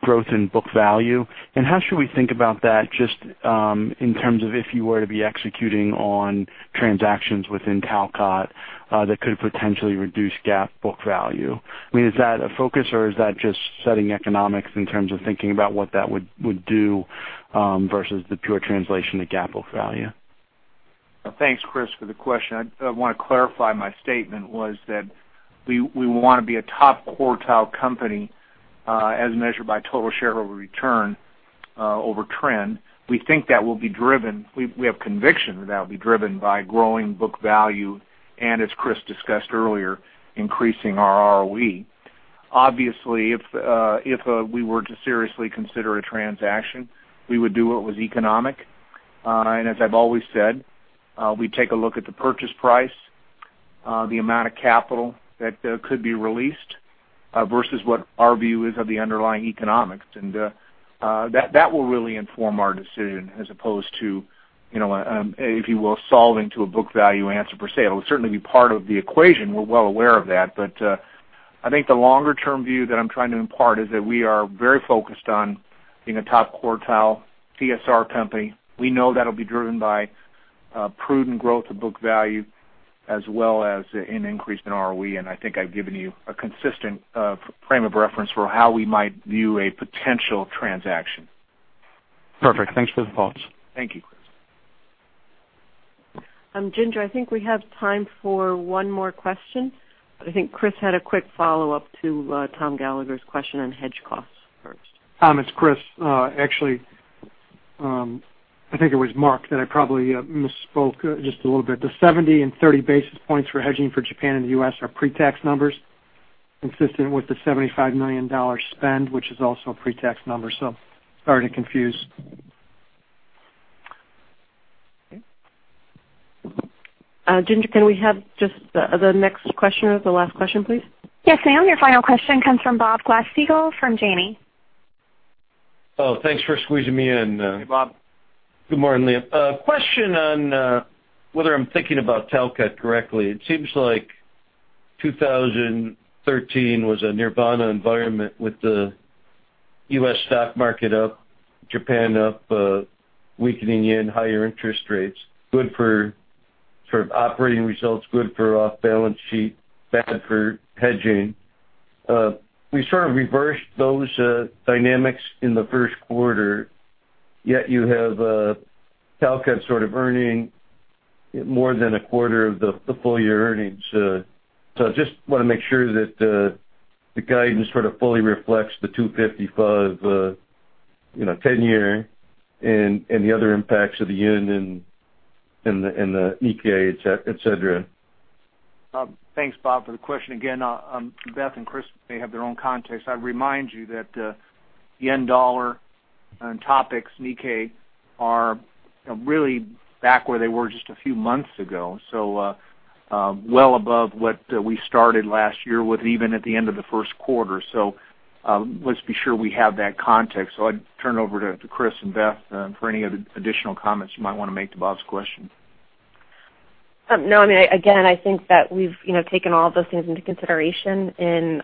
growth in book value. How should we think about that just in terms of if you were to be executing on transactions within Talcott that could potentially reduce GAAP book value? I mean, is that a focus or is that just setting economics in terms of thinking about what that would do versus the pure translation to GAAP book value? Thanks, Chris, for the question. I want to clarify my statement was that we want to be a top quartile company as measured by total shareholder return over trend. We have conviction that will be driven by growing book value and as Chris discussed earlier, increasing our ROE. Obviously, if we were to seriously consider a transaction, we would do what was economic. As I've always said, we take a look at the purchase price, the amount of capital that could be released versus what our view is of the underlying economics. That will really inform our decision as opposed to, if you will, solving to a book value answer per se. It will certainly be part of the equation. We're well aware of that. I think the longer-term view that I'm trying to impart is that we are very focused on being a top quartile TSR company. We know that'll be driven by prudent growth of book value as well as an increase in ROE. I think I've given you a consistent frame of reference for how we might view a potential transaction. Perfect. Thanks for the thoughts. Thank you, Chris. Ginger, I think we have time for one more question, but I think Chris had a quick follow-up to Thomas Gallagher's question on hedge costs first. Tom, it's Chris. Actually, I think it was Mark that I probably misspoke just a little bit. The 70 and 30 basis points for hedging for Japan and the U.S. are pre-tax numbers consistent with the $75 million spend, which is also a pre-tax number. Sorry to confuse. Okay. Ginger, can we have just the next question or the last question, please? Yes, ma'am. Your final question comes from Bob Glasspiegel from Janney. Oh, thanks for squeezing me in. Hey, Bob. Good morning, Liam. A question on whether I'm thinking about Talcott correctly. It seems like 2013 was a nirvana environment with the U.S. stock market up, Japan up, weakening yen, higher interest rates, good for sort of operating results, good for off-balance sheet, bad for hedging. We sort of reversed those dynamics in the first quarter, yet you have Talcott sort of earning more than a quarter of the full-year earnings. I just want to make sure that the guidance sort of fully reflects the 250 FUS 10-year and the other impacts of the yen and the Nikkei, et cetera. Thanks, Bob, for the question again. Beth and Chris, they have their own context. I'd remind you that yen dollar topics, Nikkei, are really back where they were just a few months ago, well above what we started last year with even at the end of the first quarter. Let's be sure we have that context. I'd turn it over to Chris and Beth for any other additional comments you might want to make to Bob's question. No, I mean, again, I think that we've taken all of those things into consideration in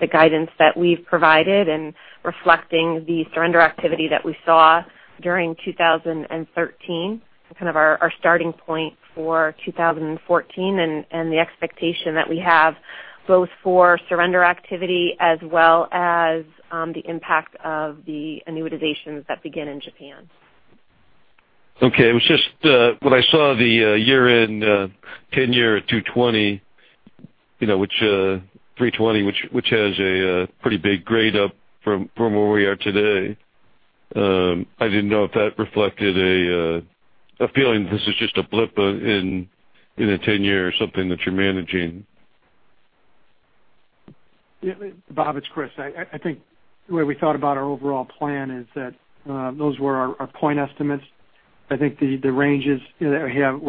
the guidance that we've provided and reflecting the surrender activity that we saw during 2013, kind of our starting point for 2014, and the expectation that we have both for surrender activity as well as the impact of the annuitizations that begin in Japan. Okay. It was just when I saw the year-end 10-year at 3.20, which has a pretty big grade up from where we are today. I didn't know if that reflected a feeling this is just a blip in a 10-year or something that you're managing. Bob, it's Chris. I think the way we thought about our overall plan is that those were our point estimates. I think the ranges we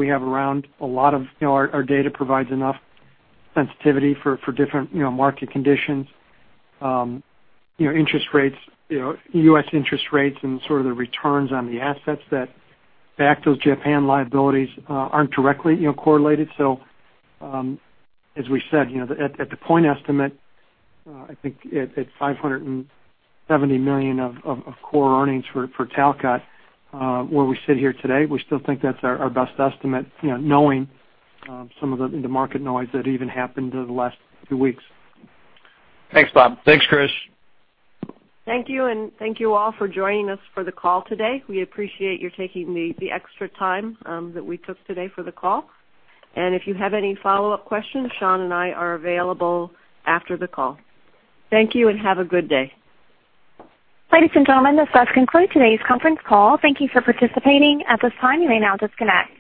have around a lot of our data provides enough sensitivity for different market conditions. U.S. interest rates and sort of the returns on the assets that back those Japan liabilities aren't directly correlated. As we said, at the point estimate, I think at $570 million of core earnings for Talcott where we sit here today. We still think that's our best estimate, knowing some of the market noise that even happened over the last few weeks. Thanks, Bob. Thanks, Chris. Thank you. Thank you all for joining us for the call today. We appreciate you taking the extra time that we took today for the call. If you have any follow-up questions, Sean and I are available after the call. Thank you and have a good day. Ladies and gentlemen, this does conclude today's conference call. Thank you for participating. At this time, you may now disconnect.